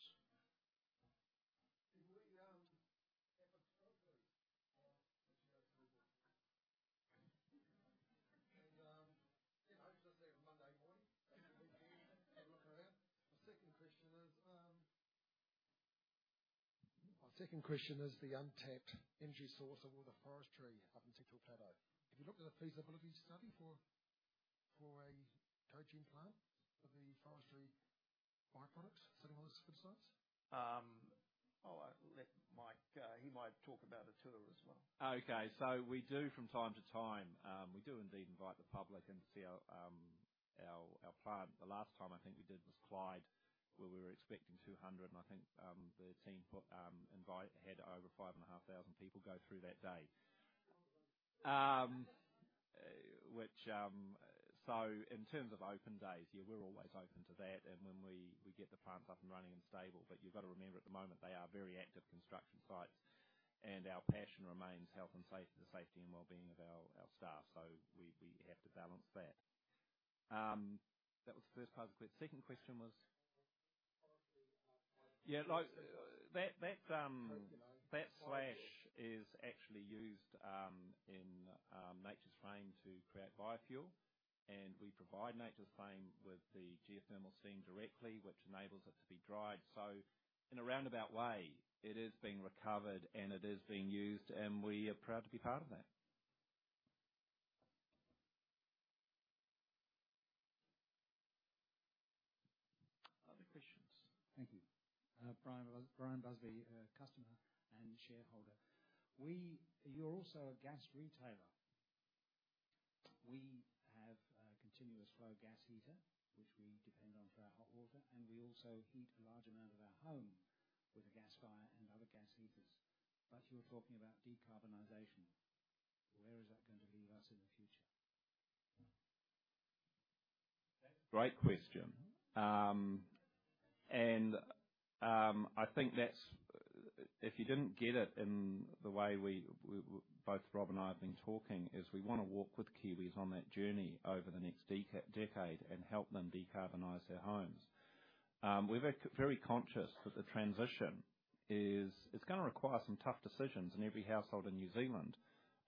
Did we have a tour group? And you know, just a Monday morning. Have a look around. My second question is the untapped energy source of all the forestry up in Central Plateau. Have you looked at a feasibility study for a cogen plant for the forestry byproducts sitting on the forest sites? Oh, I'll let Mike. He might talk about the tour as well. Okay. So we do from time to time, we do indeed invite the public in to see our, our plant. The last time I think we did was Clyde, where we were expecting 200, and I think, the team had over 5,500 people go through that day. Which... So in terms of open days, yeah, we're always open to that, and when we get the plants up and running and stable. But you've got to remember, at the moment, they are very active construction sites, and our passion remains health and safety, the safety and wellbeing of our staff, so we have to balance that. That was the first part of the question. Second question was? Partly, uh, Yeah, like, that slash is actually used in Nature's Flame to create biofuel. And we provide Nature's Flame with the geothermal steam directly, which enables it to be dried. So in a roundabout way, it is being recovered, and it is being used, and we are proud to be part of that. Other questions? Thank you. Brian, Brian Busby, customer and shareholder. You're also a gas retailer. We have a continuous flow gas heater, which we depend on for our hot water, and we also heat a large amount of our home with a gas fire and other gas heaters. But you're talking about decarbonization. Where is that going to leave us in the future? Great question. I think that's... If you didn't get it in the way we both Rob and I have been talking, is we wanna walk with Kiwis on that journey over the next decade and help them decarbonize their homes. We're very conscious that the transition is it's gonna require some tough decisions in every household in New Zealand.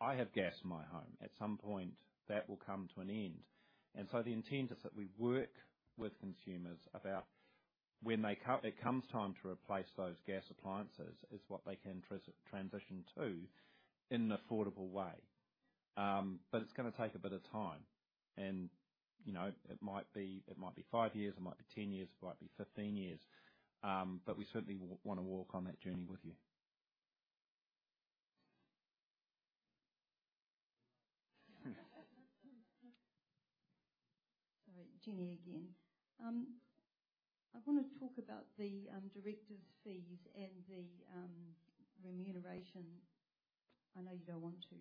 I have gas in my home. At some point, that will come to an end. And so the intent is that we work with consumers about when they come, it comes time to replace those gas appliances, is what they can transition to in an affordable way. But it's gonna take a bit of time. And, you know, it might be 5 years, it might be 10 years, it might be 15 years. But we certainly wanna walk on that journey with you. Sorry, Jenny again. I want to talk about the directors' fees and the remuneration.... I know you don't want to,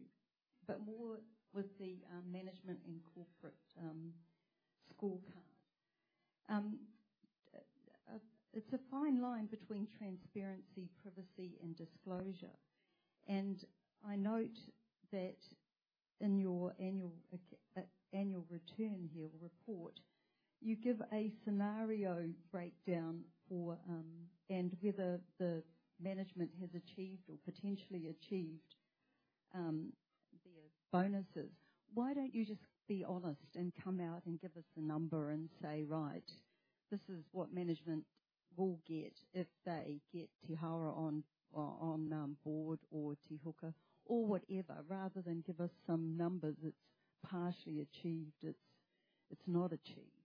but more with the management and corporate scorecard. It's a fine line between transparency, privacy, and disclosure, and I note that in your annual report, you give a scenario breakdown for and whether the management has achieved or potentially achieved their bonuses. Why don't you just be honest and come out and give us the number and say, "Right, this is what management will get if they get Tauhara on board or Te Huka or whatever," rather than give us some numbers that's partially achieved, it's not achieved.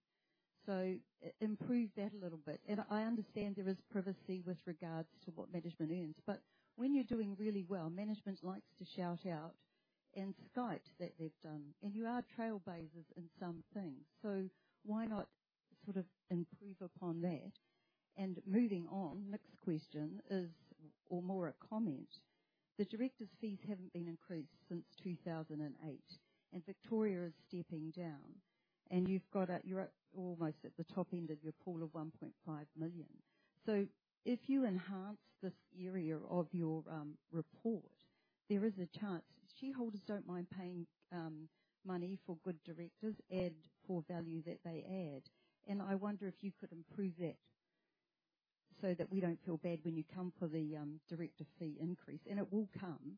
So improve that a little bit. I understand there is privacy with regards to what management earns, but when you're doing really well, management likes to shout out and skite that they've done, and you are trailblazers in some things. So why not sort of improve upon that? Moving on, next question is, or more a comment: The directors' fees haven't been increased since 2008, and Victoria is stepping down, and you've got a—you're at almost at the top end of your pool of 1.5 million. So if you enhance this area of your report, there is a chance shareholders don't mind paying money for good directors and for value that they add. And I wonder if you could improve that so that we don't feel bad when you come for the director fee increase, and it will come.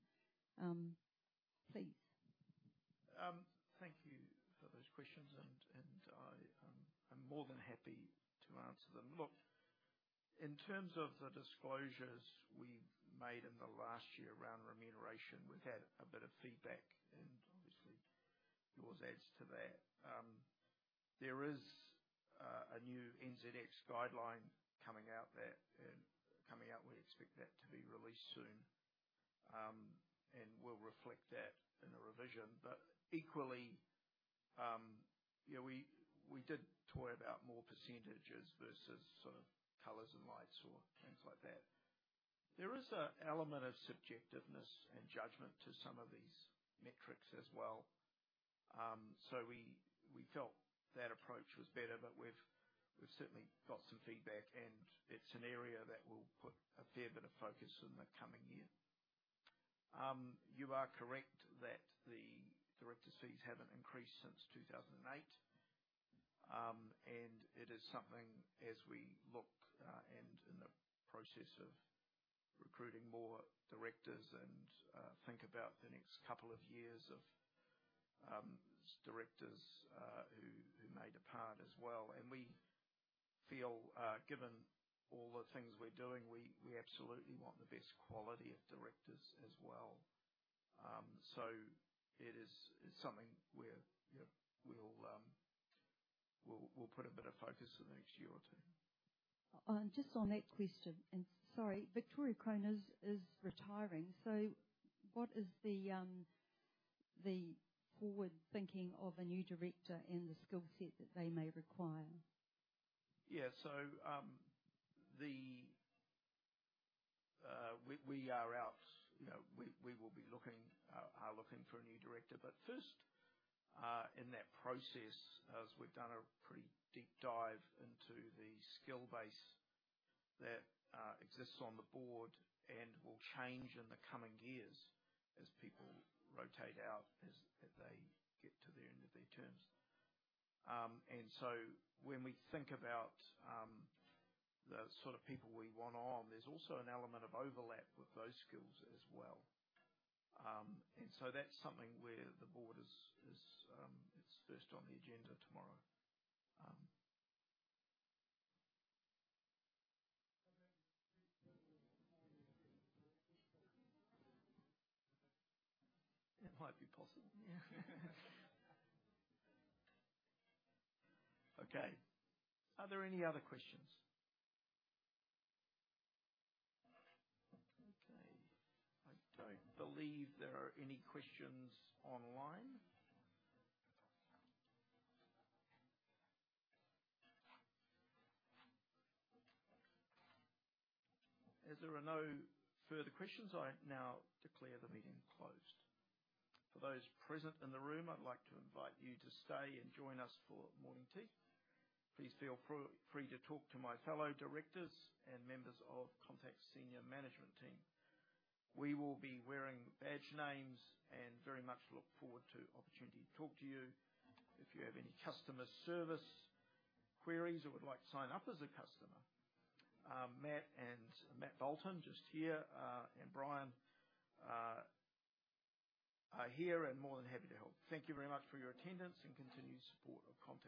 Please. Thank you for those questions, and I am more than happy to answer them. Look, in terms of the disclosures we've made in the last year around remuneration, we've had a bit of feedback, and obviously, yours adds to that. There is a new NZX guideline coming out. We expect that to be released soon. And we'll reflect that in a revision. But equally, you know, we did toy about more percentages versus sort of colors and lights or things like that. There is an element of subjectiveness and judgment to some of these metrics as well. So we felt that approach was better, but we've certainly got some feedback, and it's an area that we'll put a fair bit of focus in the coming year. You are correct that the directors' fees haven't increased since 2008. And it is something as we look, and in the process of recruiting more directors and, think about the next couple of years of, directors, who, who may depart as well. And we feel, given all the things we're doing, we, we absolutely want the best quality of directors as well. So it is, it's something where, you know, we'll, we'll, we'll put a bit of focus in the next year or two. Just on that question, and sorry, Victoria Crone is retiring, so what is the forward thinking of a new director and the skill set that they may require? Yeah. So, we are out, you know, we will be looking, are looking for a new director. But first, in that process, as we've done a pretty deep dive into the skill base that exists on the board and will change in the coming years as people rotate out, as they get to the end of their terms. And so when we think about the sort of people we want on, there's also an element of overlap with those skills as well. And so that's something where the board is, it's first on the agenda tomorrow. It might be possible, yeah. Okay. Are there any other questions? Okay, I don't believe there are any questions online. As there are no further questions, I now declare the meeting closed. For those present in the room, I'd like to invite you to stay and join us for morning tea. Please feel free to talk to my fellow directors and members of Contact's senior management team. We will be wearing badge names and very much look forward to the opportunity to talk to you. If you have any customer service queries or would like to sign up as a customer, Matt Bolton, just here, and Brian are here and more than happy to help. Thank you very much for your attendance and continued support of Contact.